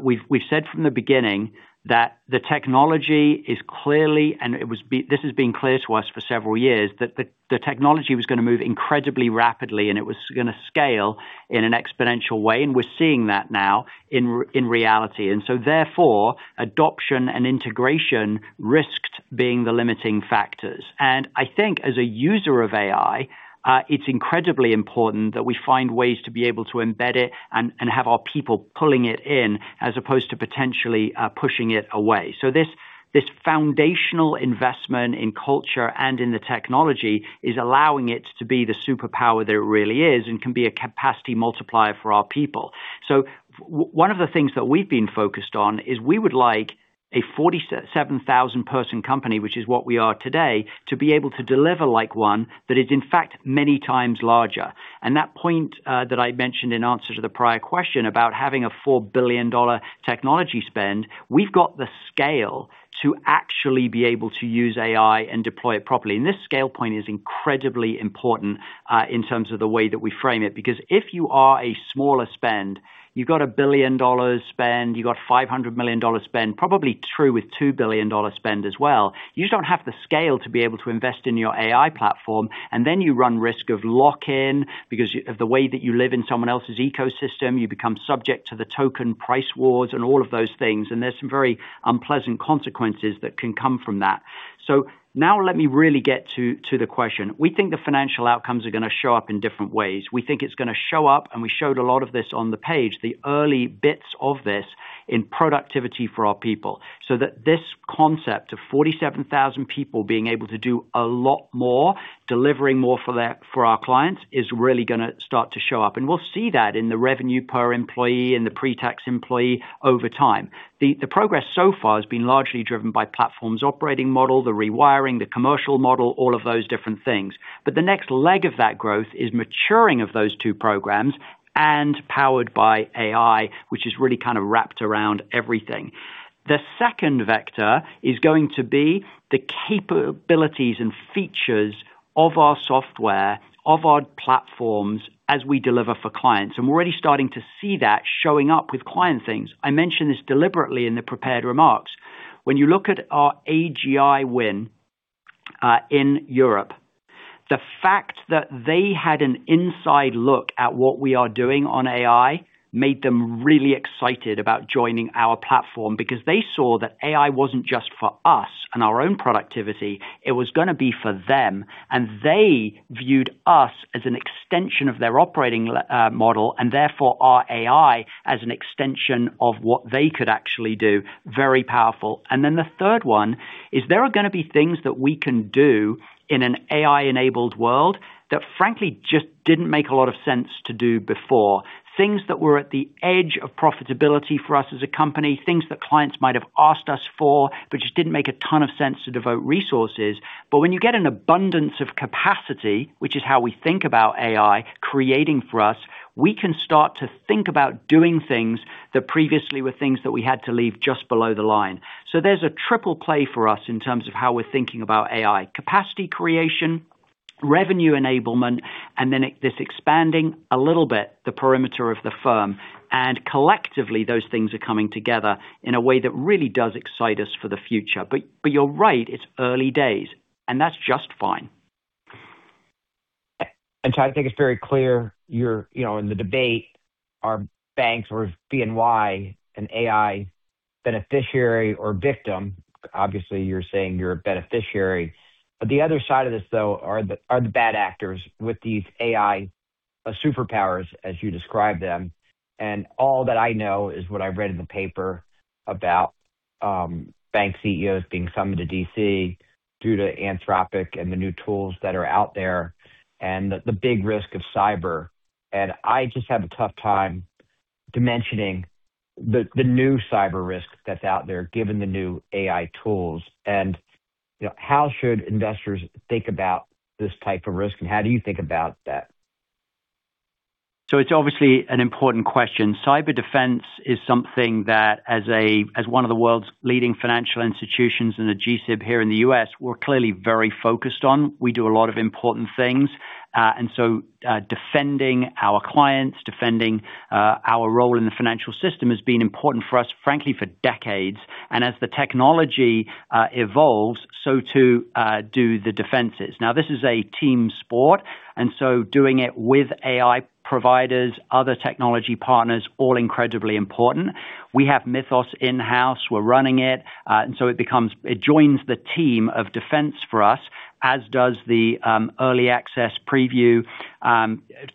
S3: We've said from the beginning that the technology is clearly, and this has been clear to us for several years, that the technology was going to move incredibly rapidly, and it was going to scale in an exponential way. We're seeing that now in reality. Therefore, adoption and integration risked being the limiting factors. I think as a user of AI, it's incredibly important that we find ways to be able to embed it and have our people pulling it in as opposed to potentially pushing it away. This foundational investment in culture and in the technology is allowing it to be the superpower that it really is and can be a capacity multiplier for our people. One of the things that we've been focused on is we would like a 47,000-person company, which is what we are today, to be able to deliver like one that is in fact many times larger. That point that I mentioned in answer to the prior question about having a $4 billion technology spend, we've got the scale to actually be able to use AI and deploy it properly. This scale point is incredibly important in terms of the way that we frame it, because if you are a smaller spender, you've got a billion-dollar spend, you've got $500 million spend, probably true with $2 billion spend as well. You just don't have the scale to be able to invest in your AI platform, and then you run risk of lock-in because of the way that you live in someone else's ecosystem, you become subject to the token price wars and all of those things, and there's some very unpleasant consequences that can come from that. Now let me really get to the question. We think the financial outcomes are going to show up in different ways. We think it's going to show up, and we showed a lot of this on the page, the early bits of this in productivity for our people, so that this concept of 47,000 people being able to do a lot more, delivering more for our clients, is really going to start to show up. We'll see that in the revenue per employee and the pre-tax employee over time. The progress so far has been largely driven by platforms' operating model, the rewiring, the commercial model, all of those different things. The next leg of that growth is maturing of those two programs and powered by AI, which is really kind of wrapped around everything. The second vector is going to be the capabilities and features of our software, of our platforms as we deliver for clients. We're already starting to see that showing up with client things. I mentioned this deliberately in the prepared remarks. When you look at our AGI win in Europe, the fact that they had an inside look at what we are doing on AI made them really excited about joining our platform because they saw that AI wasn't just for us and our own productivity, it was going to be for them. They viewed us as an extension of their operating model, and therefore our AI as an extension of what they could actually do. Very powerful. The third one is there are going to be things that we can do in an AI-enabled world that frankly just didn't make a lot of sense to do before. Things that were at the edge of profitability for us as a company, things that clients might have asked us for, but just didn't make a ton of sense to devote resources. When you get an abundance of capacity, which is how we think about AI creating for us, we can start to think about doing things that previously were things that we had to leave just below the line. There's a triple play for us in terms of how we're thinking about AI. Capacity creation, revenue enablement, and then it is expanding a little bit, the perimeter of the firm. Collectively, those things are coming together in a way that really does excite us for the future. You're right, it's early days, and that's just fine.
S8: I think it's very clear you're in the debate, are banks or BNY an AI beneficiary or victim? Obviously, you're saying you're a beneficiary. The other side of this, though, are the bad actors with these AI superpowers, as you describe them. All that I know is what I've read in the paper about bank CEOs being summoned to D.C. due to Anthropic and the new tools that are out there, and the big risk of cyber. I just have a tough time dimensioning the new cyber risk that's out there, given the new AI tools. How should investors think about this type of risk, and how do you think about that?
S3: It's obviously an important question. Cyber defense is something that, as one of the world's leading financial institutions and a GSIB here in the U.S., we're clearly very focused on. We do a lot of important things. Defending our clients, defending our role in the financial system has been important for us, frankly, for decades. As the technology evolves, so too do the defenses. Now, this is a team sport, and so doing it with AI providers, other technology partners, all incredibly important. We have Mythos in-house. We're running it. It joins the team of defense for us, as does the early access preview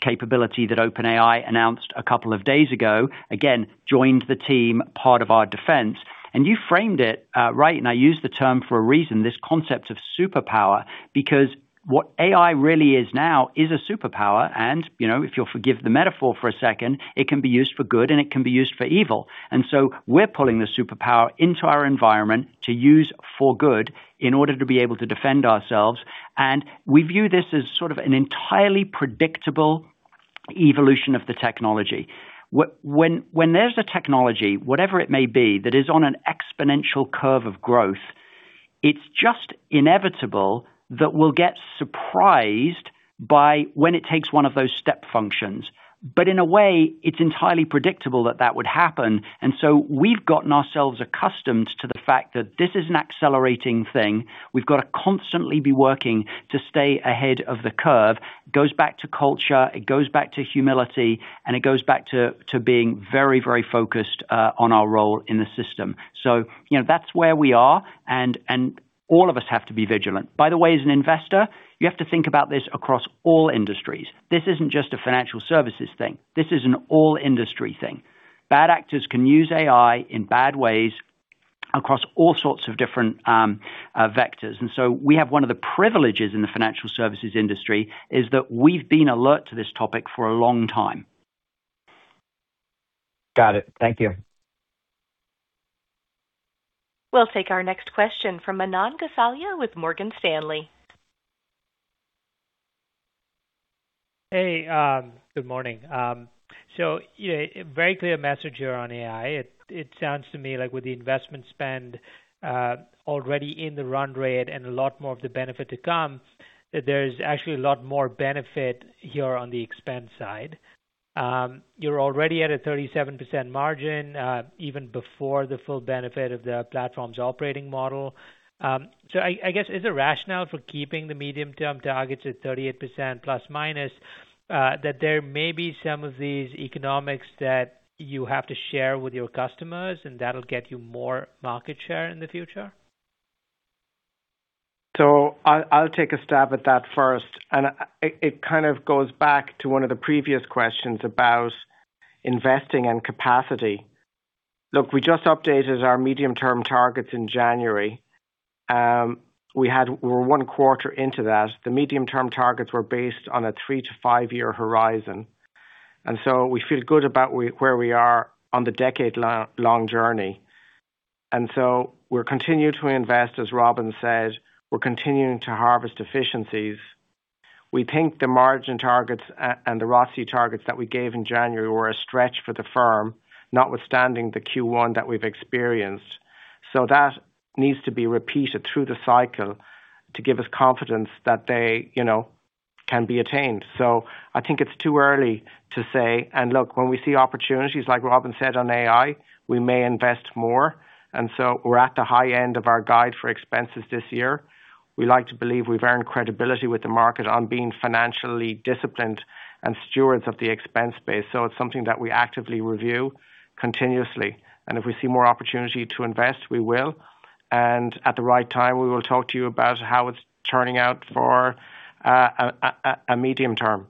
S3: capability that OpenAI announced a couple of days ago. Again, joins the team, part of our defense. You framed it right, and I use the term for a reason, this concept of superpower, because what AI really is now is a superpower, and if you'll forgive the metaphor for a second, it can be used for good and it can be used for evil. We're pulling the superpower into our environment to use for good in order to be able to defend ourselves. We view this as sort of an entirely predictable evolution of the technology. When there's a technology, whatever it may be, that is on an exponential curve of growth, it's just inevitable that we'll get surprised by when it takes one of those step functions. In a way, it's entirely predictable that that would happen. We've gotten ourselves accustomed to the fact that this is an accelerating thing. We've got to constantly be working to stay ahead of the curve. It goes back to culture, it goes back to humility, and it goes back to being very, very focused on our role in the system. So that's where we are, and all of us have to be vigilant. By the way, as an investor, you have to think about this across all industries. This isn't just a financial services thing. This is an all-industry thing. Bad actors can use AI in bad ways across all sorts of different vectors. We have one of the privileges in the financial services industry is that we've been alert to this topic for a long time.
S8: Got it. Thank you.
S1: We'll take our next question from Manan Gosalia with Morgan Stanley.
S9: Hey, good morning. Very clear message here on AI. It sounds to me like with the investment spend already in the run rate and a lot more of the benefit to come, that there is actually a lot more benefit here on the expense side. You're already at a 37% margin, even before the full benefit of the platform's operating model. I guess, is the rationale for keeping the medium-term targets at 38% plus or minus, that there may be some of these economics that you have to share with your customers and that'll get you more market share in the future?
S4: I'll take a stab at that first. It kind of goes back to one of the previous questions about investing and capacity. Look, we just updated our medium-term targets in January. We're one quarter into that. The medium-term targets were based on a three to five-year horizon. We feel good about where we are on the decade-long journey. We'll continue to invest, as Robin said, we're continuing to harvest efficiencies. We think the margin targets and the ROTCE targets that we gave in January were a stretch for the firm, notwithstanding the Q1 that we've experienced. That needs to be repeated through the cycle to give us confidence that they can be attained. I think it's too early to say. Look, when we see opportunities, like Robin said on AI, we may invest more. We're at the high end of our guide for expenses this year. We like to believe we've earned credibility with the market on being financially disciplined and stewards of the expense base. It's something that we actively review continuously. If we see more opportunity to invest, we will. At the right time, we will talk to you about how it's turning out for a medium-term.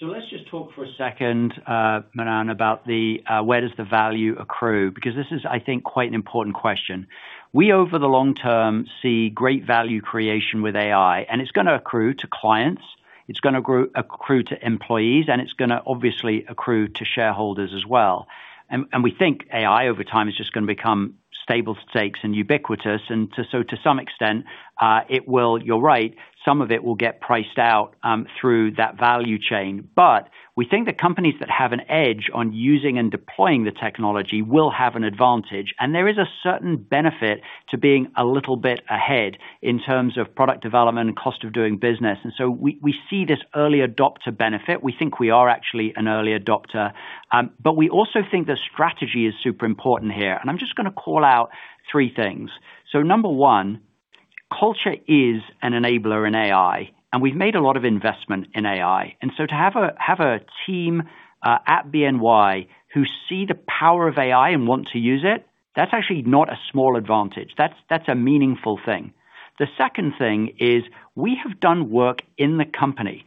S3: Let's just talk for a second, Manan, about where does the value accrue, because this is, I think, quite an important question. We, over the long term, see great value creation with AI, and it's going to accrue to clients, it's going to accrue to employees, and it's going to obviously accrue to shareholders as well. We think AI over time is just going to become stable stakes and ubiquitous. To some extent, you're right, some of it will get priced out through that value chain. We think the companies that have an edge on using and deploying the technology will have an advantage. There is a certain benefit to being a little bit ahead in terms of product development and cost of doing business. We see this early adopter benefit. We think we are actually an early adopter. We also think the strategy is super important here. I'm just going to call out three things. Number one, culture is an enabler in AI, and we've made a lot of investment in AI. To have a team at BNY who see the power of AI and want to use it, that's actually not a small advantage. That's a meaningful thing. The second thing is we have done work in the company,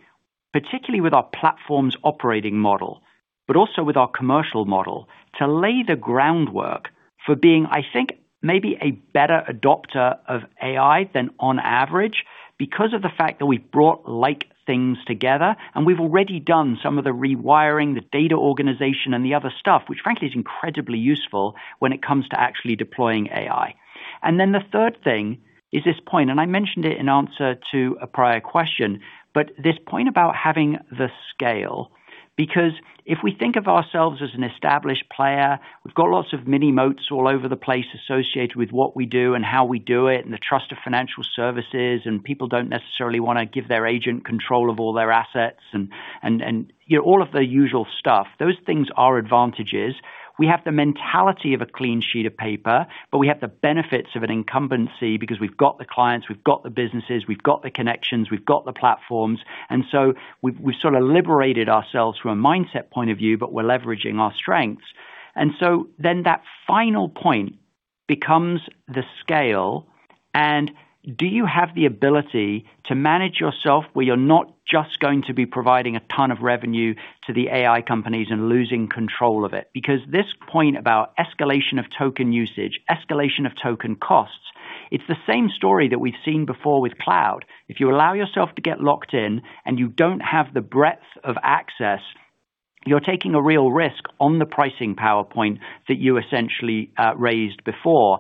S3: particularly with our platforms operating model, but also with our commercial model, to lay the groundwork for being, I think, maybe a better adopter of AI than on average because of the fact that we've brought like things together and we've already done some of the rewiring, the data organization and the other stuff, which frankly is incredibly useful when it comes to actually deploying AI. The third thing is this point, and I mentioned it in answer to a prior question, but this point about having the scale. Because if we think of ourselves as an established player, we've got lots of mini moats all over the place associated with what we do and how we do it, and the trust of financial services. People don't necessarily want to give their agent control of all their assets and all of the usual stuff. Those things are advantages. We have the mentality of a clean sheet of paper, but we have the benefits of an incumbency because we've got the clients, we've got the businesses, we've got the connections, we've got the platforms. We've sort of liberated ourselves from a mindset point of view, but we're leveraging our strengths. That final point becomes the scale. Do you have the ability to manage yourself where you're not just going to be providing a ton of revenue to the AI companies and losing control of it? Because this point about escalation of token usage, escalation of token costs, it's the same story that we've seen before with cloud. If you allow yourself to get locked in and you don't have the breadth of access, you're taking a real risk on the pricing PowerPoint that you essentially raised before.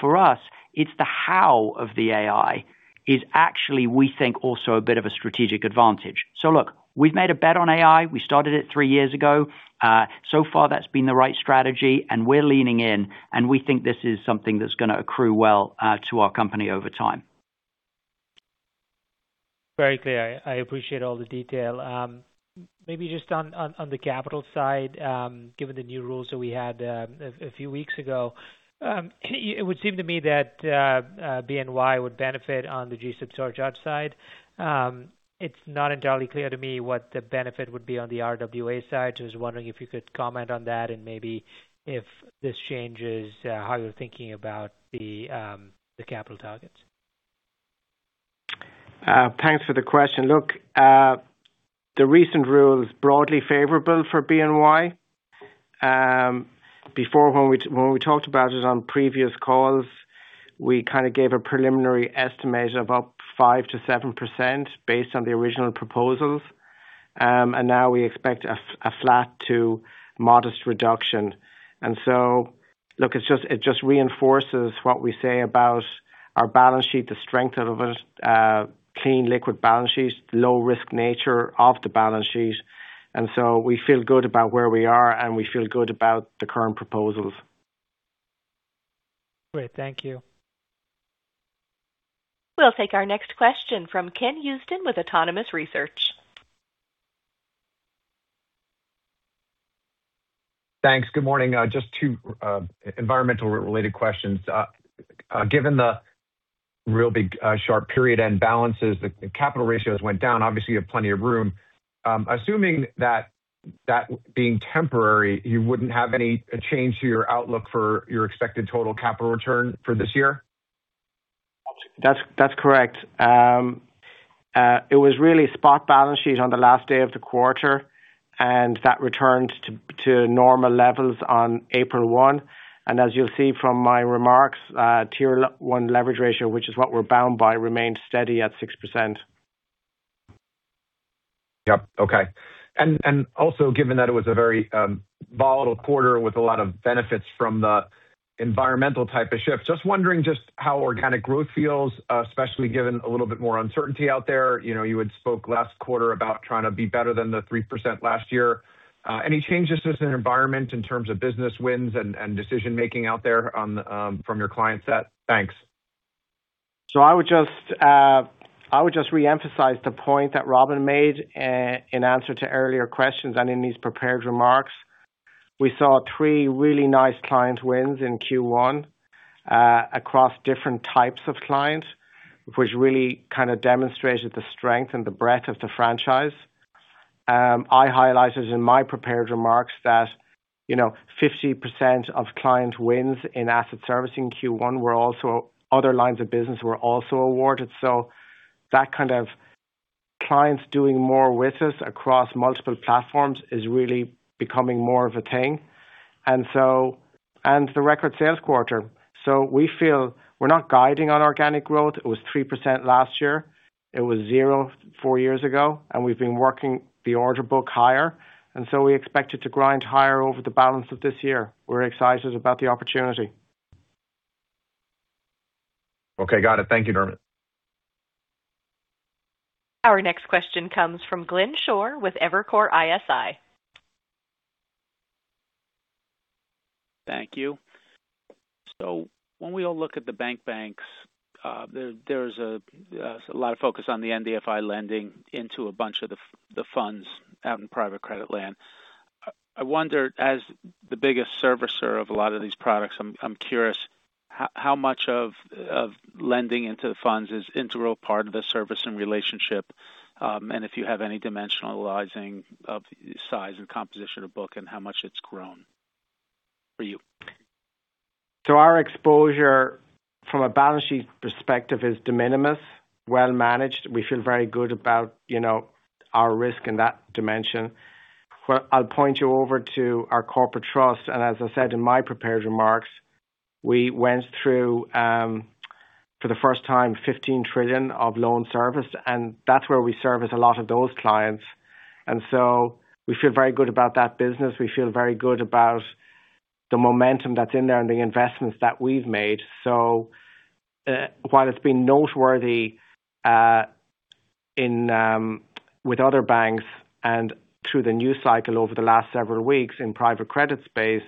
S3: For us, it's the how of the AI is actually, we think, also a bit of a strategic advantage. Look, we've made a bet on AI. We started it three years ago. So far, that's been the right strategy and we're leaning in, and we think this is something that's going to accrue well to our company over time.
S9: Very clear. I appreciate all the detail. Maybe just on the capital side, given the new rules that we had a few weeks ago, it would seem to me that BNY would benefit on the GSIB surcharge side. It's not entirely clear to me what the benefit would be on the RWA side. I was wondering if you could comment on that and maybe if this changes how you're thinking about the capital targets.
S4: Thanks for the question. Look, the recent rule is broadly favorable for BNY. Before when we talked about it on previous calls, we kind of gave a preliminary estimate of up 5%-7% based on the original proposals. Now we expect a flat to modest reduction. Look, it just reinforces what we say about our balance sheet, the strength of it, clean liquid balance sheet, low risk nature of the balance sheet. We feel good about where we are, and we feel good about the current proposals.
S9: Great. Thank you.
S1: We'll take our next question from Ken Usdin with Autonomous Research.
S10: Thanks. Good morning. Just two environment-related questions. Given the really big, sharp period-end balances, the capital ratios went down. Obviously you have plenty of room. Assuming that being temporary, you wouldn't have any change to your outlook for your expected total capital return for this year?
S4: That's correct. It was really spot balance sheet on the last day of the quarter, and that returned to normal levels on April 1. As you'll see from my remarks, Tier 1 leverage ratio, which is what we're bound by, remained steady at 6%.
S10: Yep. Okay. Also given that it was a very volatile quarter with a lot of benefits from the environmental type of shift, just wondering just how organic growth feels, especially given a little bit more uncertainty out there. You had spoke last quarter about trying to be better than the 3% last year. Any changes to the environment in terms of business wins and decision-making out there from your client set? Thanks.
S4: I would just reemphasize the point that Robin made in answer to earlier questions and in these prepared remarks. We saw three really nice client wins in Q1 across different types of clients, which really kind of demonstrated the strength and the breadth of the franchise. I highlighted in my prepared remarks that 50% of client wins in asset servicing in Q1 also had other lines of business awarded. That kind of clients doing more with us across multiple platforms is really becoming more of a thing. We had the record sales quarter. We feel we're not guiding on organic growth. It was 3% last year, it was 0% four years ago, and we've been working the order book higher. We expect it to grind higher over the balance of this year. We're excited about the opportunity.
S10: Okay. Got it. Thank you, Dermot.
S1: Our next question comes from Glenn Schorr with Evercore ISI.
S11: Thank you. When we all look at the banks, there's a lot of focus on the NBFI lending into a bunch of the funds out in private credit land. I wonder, as the biggest servicer of a lot of these products, I'm curious how much of lending into the funds is integral part of the servicing relationship, and if you have any dimensionalizing of size and composition of book and how much it's grown for you.
S4: Our exposure from a balance sheet perspective is de minimis, well managed. We feel very good about our risk in that dimension. I'll point you over to our Corporate Trust, and as I said in my prepared remarks, we went through, for the first time, $15 trillion of loan servicing, and that's where we service a lot of those clients. We feel very good about that business. We feel very good about the momentum that's in there and the investments that we've made. While it's been noteworthy with other banks and through the news cycle over the last several weeks in private credit space,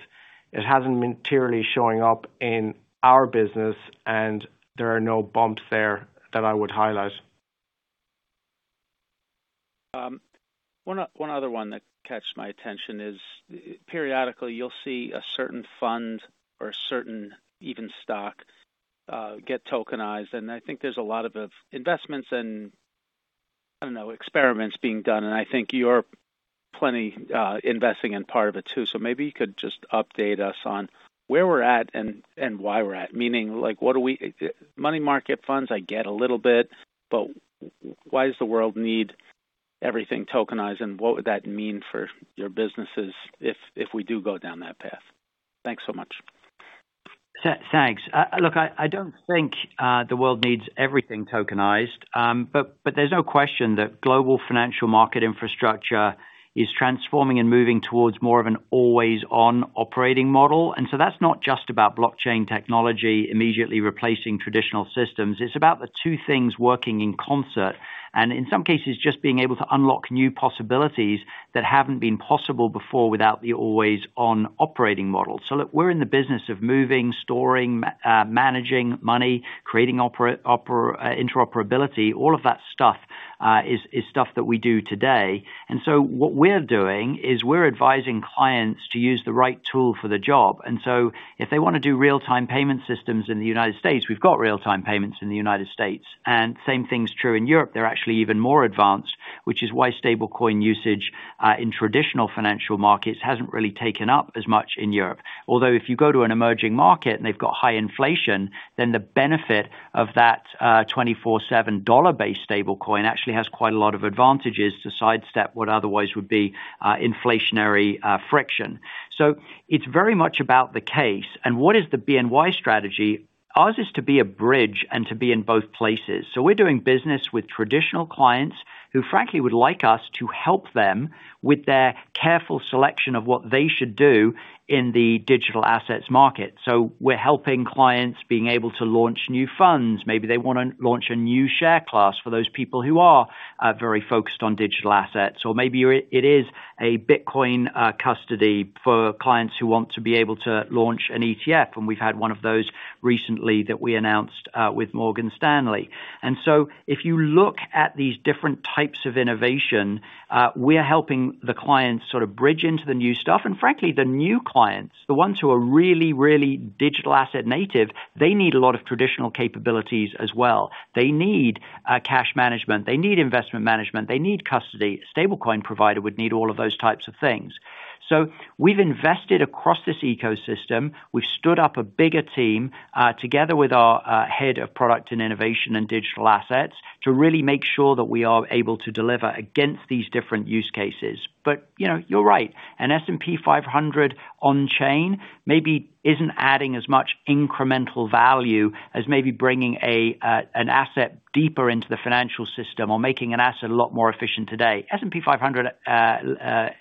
S4: it hasn't been materially showing up in our business, and there are no bumps there that I would highlight.
S11: One other one that caught my attention is periodically you'll see a certain fund or even a stock get tokenized, and I think there's a lot of investments and, I don't know, experiments being done, and I think you're heavily investing in part of it too. Maybe you could just update us on where we're at and why we're at. Meaning, money market funds, I get a little bit, but why does the world need everything tokenized, and what would that mean for your businesses if we do go down that path? Thanks so much.
S3: Thanks. Look, I don't think the world needs everything tokenized. There's no question that global financial market infrastructure is transforming and moving towards more of an always-on operating model. That's not just about blockchain technology immediately replacing traditional systems. It's about the two things working in concert, and in some cases, just being able to unlock new possibilities that haven't been possible before without the always-on operating model. Look, we're in the business of moving, storing, managing money, creating interoperability. All of that stuff is stuff that we do today. What we're doing is we're advising clients to use the right tool for the job. If they want to do real-time payment systems in the United States, we've got real-time payments in the United States. Same thing's true in Europe. They're actually even more advanced, which is why stablecoin usage in traditional financial markets hasn't really taken up as much in Europe. Although if you go to an emerging market and they've got high inflation, then the benefit of that 24/7 dollar-based stablecoin actually has quite a lot of advantages to sidestep what otherwise would be inflationary friction. It's very much about the case. What is the BNY strategy? Ours is to be a bridge and to be in both places. We're doing business with traditional clients who frankly would like us to help them with their careful selection of what they should do in the digital assets market. We're helping clients being able to launch new funds. Maybe they want to launch a new share class for those people who are very focused on digital assets. Maybe it is a Bitcoin custody for clients who want to be able to launch an ETF. We've had one of those recently that we announced with Morgan Stanley. If you look at these different types of innovation, we are helping the clients bridge into the new stuff. Frankly, the new clients, the ones who are really digital asset native, they need a lot of traditional capabilities as well. They need cash management. They need investment management. They need custody. Stablecoin provider would need all of those types of things. We've invested across this ecosystem. We've stood up a bigger team, together with our head of product and innovation and digital assets, to really make sure that we are able to deliver against these different use cases. You're right. An S&P 500 on chain maybe isn't adding as much incremental value as maybe bringing an asset deeper into the financial system or making an asset a lot more efficient today. S&P 500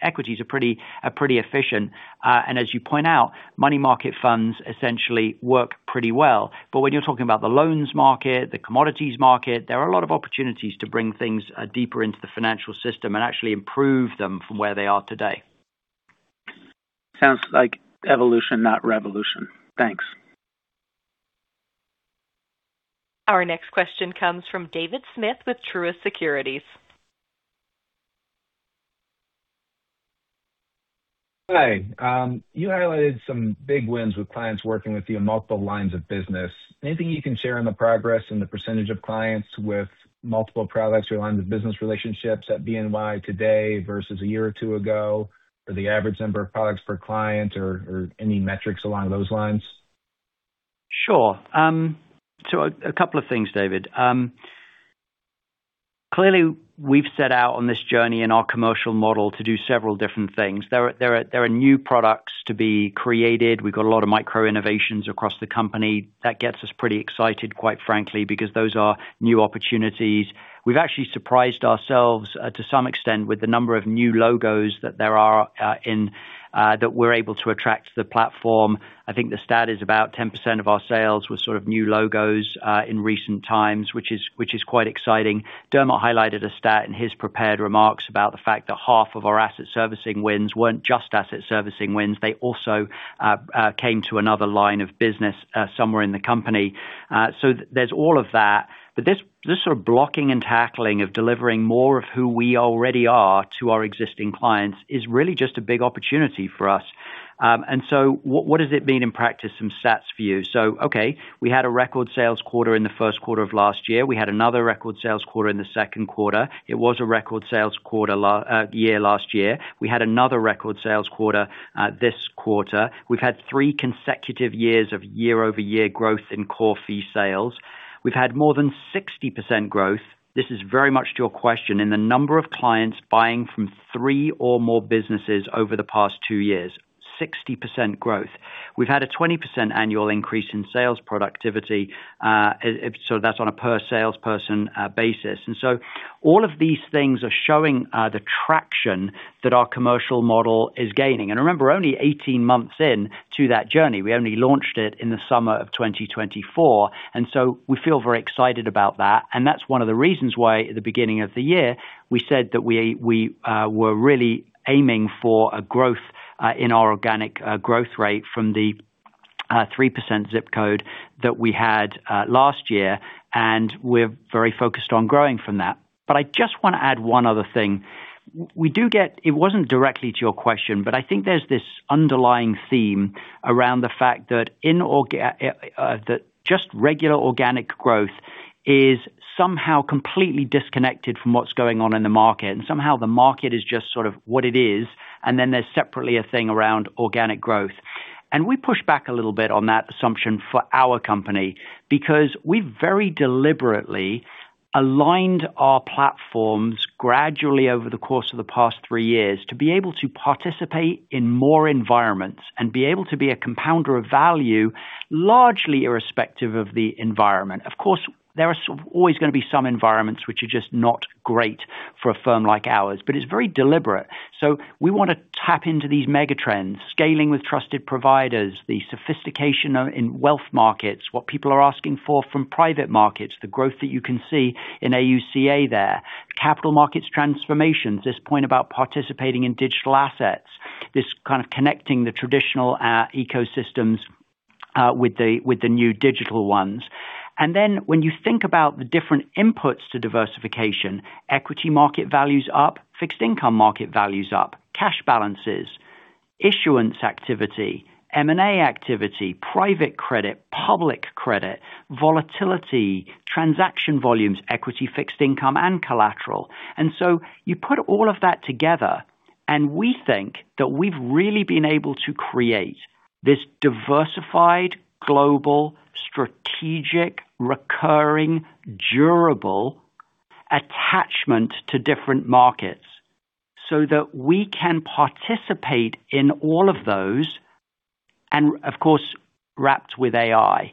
S3: equities are pretty efficient. As you point out, money market funds essentially work pretty well. When you're talking about the loans market, the commodities market, there are a lot of opportunities to bring things deeper into the financial system and actually improve them from where they are today.
S11: Sounds like evolution, not revolution. Thanks.
S1: Our next question comes from David Smith with Truist Securities.
S12: Hi. You highlighted some big wins with clients working with you in multiple lines of business. Anything you can share on the progress and the percentage of clients with multiple products or lines of business relationships at BNY today versus a year or two ago, or the average number of products per client or any metrics along those lines?
S3: A couple of things, David. Clearly, we've set out on this journey in our commercial model to do several different things. There are new products to be created. We've got a lot of micro-innovations across the company. That gets us pretty excited, quite frankly, because those are new opportunities. We've actually surprised ourselves, to some extent, with the number of new logos that there are, that we're able to attract to the platform. I think the stat is about 10% of our sales were sort of new logos in recent times, which is quite exciting. Dermot highlighted a stat in his prepared remarks about the fact that half of our asset servicing wins weren't just asset servicing wins. They also came to another line of business somewhere in the company. There's all of that. This sort of blocking and tackling of delivering more of who we already are to our existing clients is really just a big opportunity for us. What has it been in practice, some stats for you? Okay, we had a record sales quarter in the first quarter of last year. We had another record sales quarter in the second quarter. It was a record sales quarter year last year. We had another record sales quarter this quarter. We've had three consecutive years of year-over-year growth in core fee sales. We've had more than 60% growth. This is very much to your question in the number of clients buying from three or more businesses over the past two years, 60% growth. We've had a 20% annual increase in sales productivity, so that's on a per salesperson basis. All of these things are showing the traction that our commercial model is gaining. Remember, only eighteen months in to that journey. We only launched it in the summer of 2024, and so we feel very excited about that. That's one of the reasons why, at the beginning of the year, we said that we were really aiming for a growth in our organic growth rate from the 3% zip code that we had last year, and we're very focused on growing from that. I just want to add one other thing. It wasn't directly to your question, but I think there's this underlying theme around the fact that just regular organic growth is somehow completely disconnected from what's going on in the market, and somehow the market is just sort of what it is. Then there's separately a thing around organic growth. We push back a little bit on that assumption for our company because we very deliberately aligned our platforms gradually over the course of the past three years to be able to participate in more environments and be able to be a compounder of value, largely irrespective of the environment. Of course, there are always going to be some environments which are just not great for a firm like ours, but it's very deliberate. We want to tap into these mega trends, scaling with trusted providers, the sophistication in wealth markets, what people are asking for from private markets, the growth that you can see in AUCA there, capital markets transformations. This point about participating in digital assets, this kind of connecting the traditional ecosystems with the new digital ones. When you think about the different inputs to diversification, equity market values up, fixed income market values up, cash balances, issuance activity, M&A activity, private credit, public credit, volatility, transaction volumes, equity, fixed income and collateral. You put all of that together, and we think that we've really been able to create this diversified, global, strategic, recurring, durable attachment to different markets so that we can participate in all of those and of course, wrapped with AI.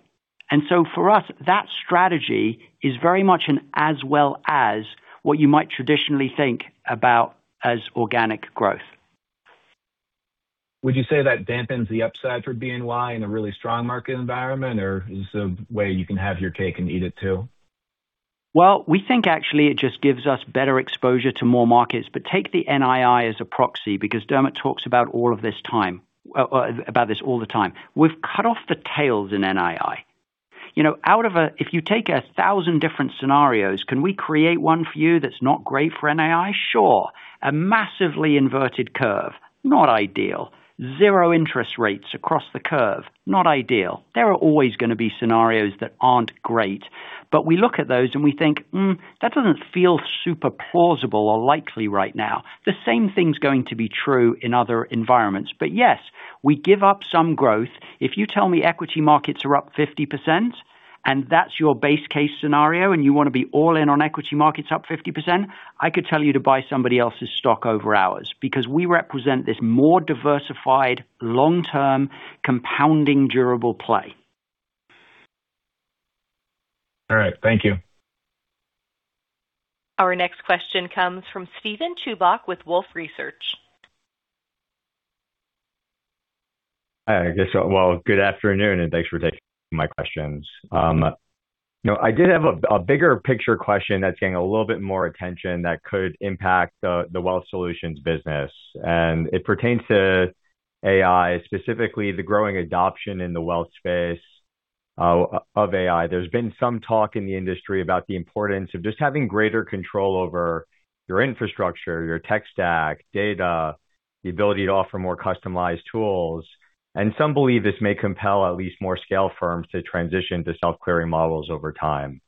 S3: For us, that strategy is very much an as well as what you might traditionally think about as organic growth.
S12: Would you say that dampens the upside for BNY in a really strong market environment? Or is there a way you can have your cake and eat it too?
S3: Well, we think actually it just gives us better exposure to more markets. Take the NII as a proxy because Dermot talks about this all the time. We've cut off the tails in NII. If you take 1,000 different scenarios, can we create one for you that's not great for NII? Sure. A massively inverted curve, not ideal. Zero interest rates across the curve, not ideal. There are always going to be scenarios that aren't great, but we look at those and we think, "Hmm, that doesn't feel super plausible or likely right now." The same thing's going to be true in other environments. Yes, we give up some growth. If you tell me equity markets are up 50% and that's your base case scenario, and you want to be all in on equity markets up 50%, I could tell you to buy somebody else's stock over ours because we represent this more diversified, long-term, compounding, durable play.
S12: All right. Thank you.
S1: Our next question comes from Steven Chubak with Wolfe Research.
S13: Well, good afternoon, and thanks for taking my questions. I did have a bigger picture question that's getting a little bit more attention that could impact the Wealth Solutions business, and it pertains to AI, specifically the growing adoption in the wealth space of AI. There's been some talk in the industry about the importance of just having greater control over your infrastructure, your tech stack, data, the ability to offer more customized tools. Some believe this may compel at least more scale firms to transition to self-clearing models over time.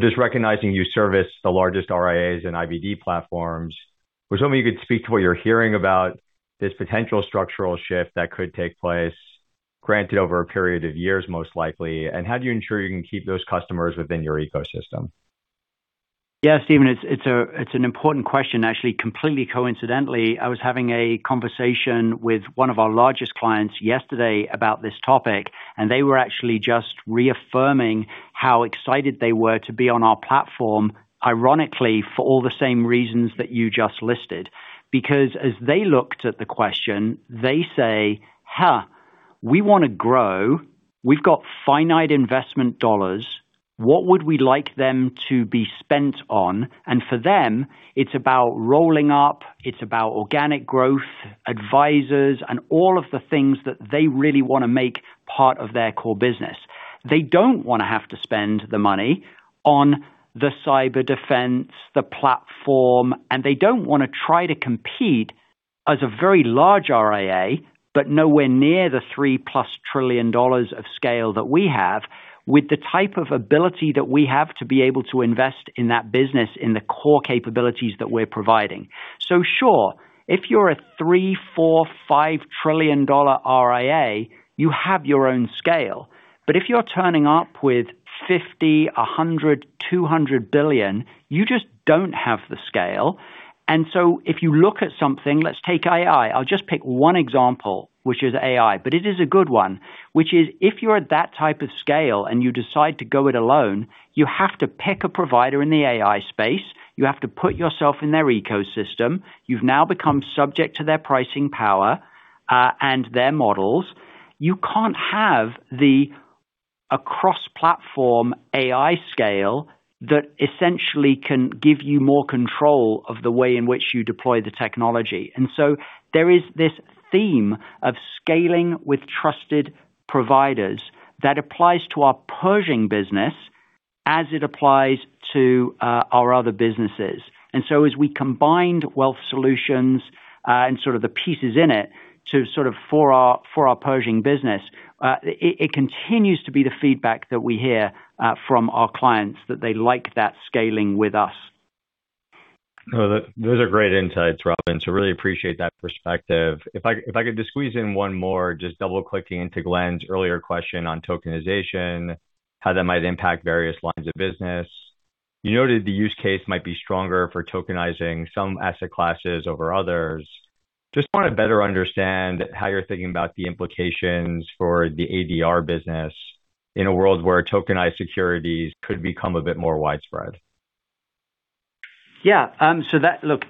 S13: Just recognizing you service the largest RIAs and IBD platforms. I was hoping you could speak to what you're hearing about this potential structural shift that could take place, granted over a period of years, most likely, and how do you ensure you can keep those customers within your ecosystem?
S3: Yeah, Steven, it's an important question. Actually, completely coincidentally, I was having a conversation with one of our largest clients yesterday about this topic, and they were actually just reaffirming how excited they were to be on our platform, ironically, for all the same reasons that you just listed. Because as they looked at the question, they say, "Huh, we want to grow. We've got finite investment dollars. What would we like them to be spent on?" For them, it's about rolling up, it's about organic growth, advisors, and all of the things that they really want to make part of their core business. They don't want to have to spend the money on the cyber defense, the platform, and they don't want to try to compete as a very large RIA, but nowhere near the $3+ trillion of scale that we have with the type of ability that we have to be able to invest in that business in the core capabilities that we're providing. Sure, if you're a $3, $4, $5 trillion RIA, you have your own scale. If you're turning up with $50 billion, $100 billion, $200 billion, you just don't have the scale. If you look at something, let's take AI. I'll just pick one example, which is AI, but it is a good one, which is if you're at that type of scale and you decide to go it alone, you have to pick a provider in the AI space. You have to put yourself in their ecosystem. You've now become subject to their pricing power, and their models. You can't have the cross-platform AI scale that essentially can give you more control of the way in which you deploy the technology. There is this theme of scaling with trusted providers that applies to our Pershing business as it applies to our other businesses. As we combined Wealth Solutions, and sort of the pieces in it to sort of for our Pershing business, it continues to be the feedback that we hear from our clients that they like that scaling with us.
S13: No, those are great insights, Robin. Really appreciate that perspective. If I could just squeeze in one more, just double-clicking into Glenn's earlier question on tokenization, how that might impact various lines of business. You noted the use case might be stronger for tokenizing some asset classes over others. Just want to better understand how you're thinking about the implications for the ADR business in a world where tokenized securities could become a bit more widespread?
S3: Yeah. Look,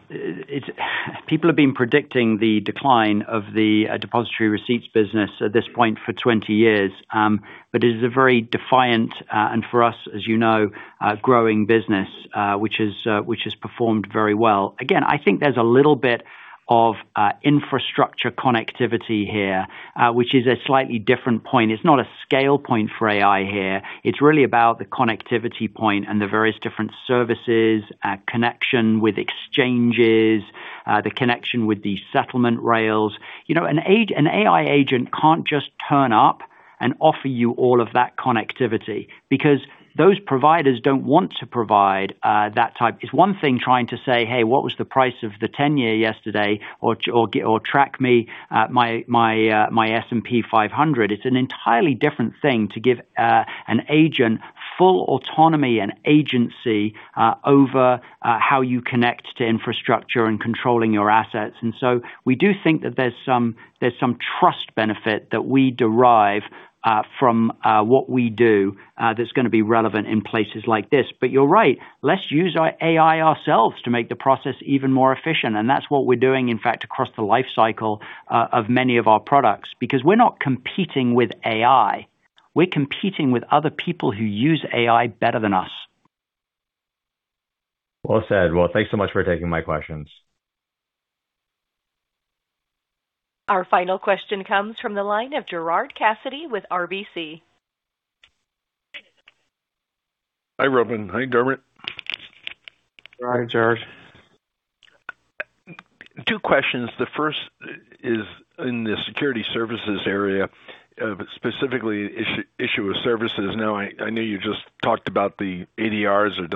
S3: people have been predicting the decline of the depository receipts business at this point for 20 years, but it is a very defiant, and for us, as you know, growing business, which has performed very well. Again, I think there's a little bit of infrastructure connectivity here, which is a slightly different point. It's not a scale point for AI here. It's really about the connectivity point and the various different services, connection with exchanges, the connection with the settlement rails. An AI agent can't just turn up and offer you all of that connectivity because those providers don't want to provide that type. It's one thing trying to say, "Hey, what was the price of the ten-year yesterday?" Or, "Track my S&P 500." It's an entirely different thing to give an agent full autonomy and agency over how you connect to infrastructure and controlling your assets. We do think that there's some trust benefit that we derive from what we do that's going to be relevant in places like this. You're right. Let's use AI ourselves to make the process even more efficient. That's what we're doing, in fact, across the life cycle of many of our products. Because we're not competing with AI, we're competing with other people who use AI better than us.
S13: Well said. Well, thanks so much for taking my questions.
S1: Our final question comes from the line of Gerard Cassidy with RBC.
S14: Hi, Robin. Hi, Dermot.
S3: Hi, Gerard.
S14: Two questions. The first is in the Securities Services area, specifically Issuer Services. Now, I know you just talked about the ADRs or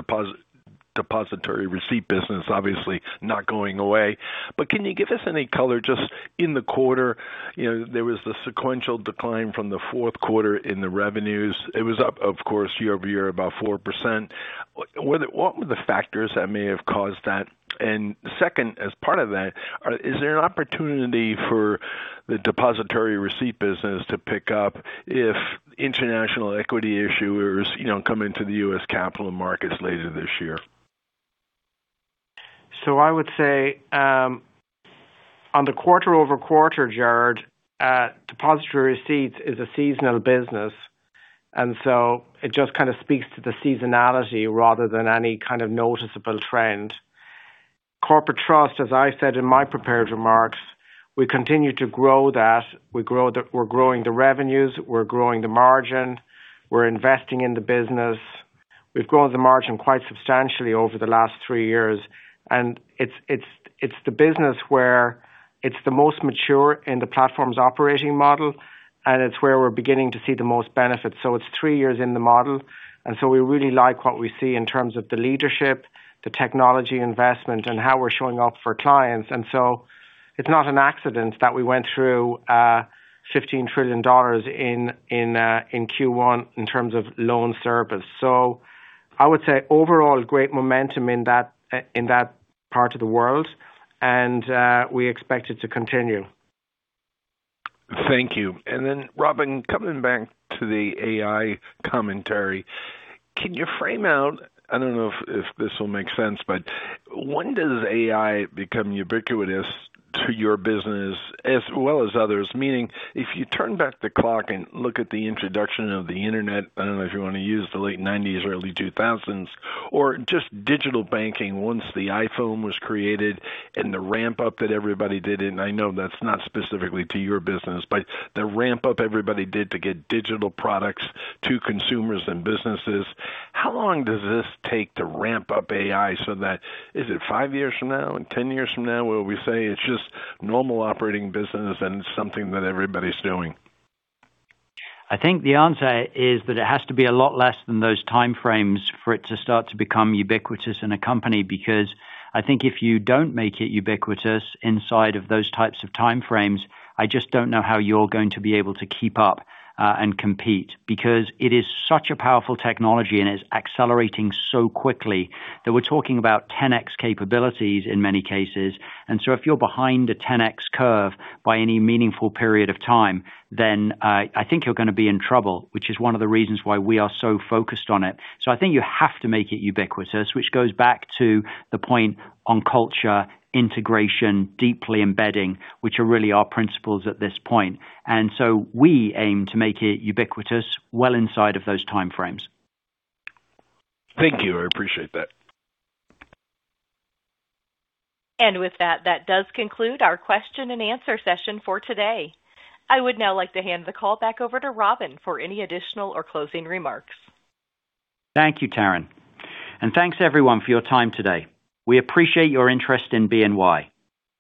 S14: depositary receipt business, obviously not going away. But can you give us any color just in the quarter? There was the sequential decline from the fourth quarter in the revenues. It was up, of course, year-over-year, about 4%. What were the factors that may have caused that? And second, as part of that, is there an opportunity for the depositary receipt business to pick up if international equity issuers come into the U.S. capital markets later this year?
S4: I would say, on the quarter-over-quarter, Gerard, depositary receipts is a seasonal business, and so it just kind of speaks to the seasonality rather than any kind of noticeable trend. Corporate trust, as I said in my prepared remarks, we continue to grow that. We're growing the revenues, we're growing the margin, we're investing in the business. We've grown the margin quite substantially over the last three years. It's the business where it's the most mature in the platform's operating model, and it's where we're beginning to see the most benefit. It's three years in the model, and so we really like what we see in terms of the leadership, the technology investment, and how we're showing up for clients. It's not an accident that we went through $15 trillion in Q1 in terms of loan service. I would say overall great momentum in that part of the world. We expect it to continue.
S14: Thank you. Robin, coming back to the AI commentary, can you frame out, I don't know if this will make sense, but when does AI become ubiquitous to your business as well as others? Meaning, if you turn back the clock and look at the introduction of the internet, I don't know if you want to use the late 1990s, early 2000s or just digital banking once the iPhone was created and the ramp-up that everybody did to get digital products to consumers and businesses. How long does this take to ramp up AI so that, is it five years from now? 10 years from now? Where we say it's just normal operating business and it's something that everybody's doing?
S3: I think the answer is that it has to be a lot less than those time frames for it to start to become ubiquitous in a company. I think if you don't make it ubiquitous inside of those types of time frames, I just don't know how you're going to be able to keep up and compete. It is such a powerful technology, and it's accelerating so quickly that we're talking about 10x capabilities in many cases. If you're behind a 10x curve by any meaningful period of time, then I think you're going to be in trouble, which is one of the reasons why we are so focused on it. I think you have to make it ubiquitous, which goes back to the point on culture, integration, deeply embedding, which are really our principles at this point. We aim to make it ubiquitous well inside of those time frames.
S14: Thank you. I appreciate that.
S1: With that does conclude our question and answer session for today. I would now like to hand the call back over to Robin for any additional or closing remarks.
S3: Thank you, Taryn. Thanks everyone for your time today. We appreciate your interest in BNY.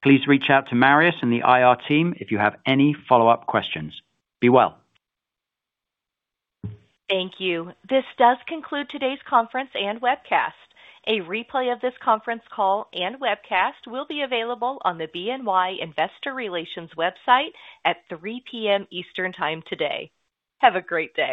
S3: Please reach out to Marius and the IR team if you have any follow-up questions. Be well.
S1: Thank you. This does conclude today's conference and webcast. A replay of this conference call and webcast will be available on the BNY investor relations website at 3:00 P.M. Eastern Time today. Have a great day.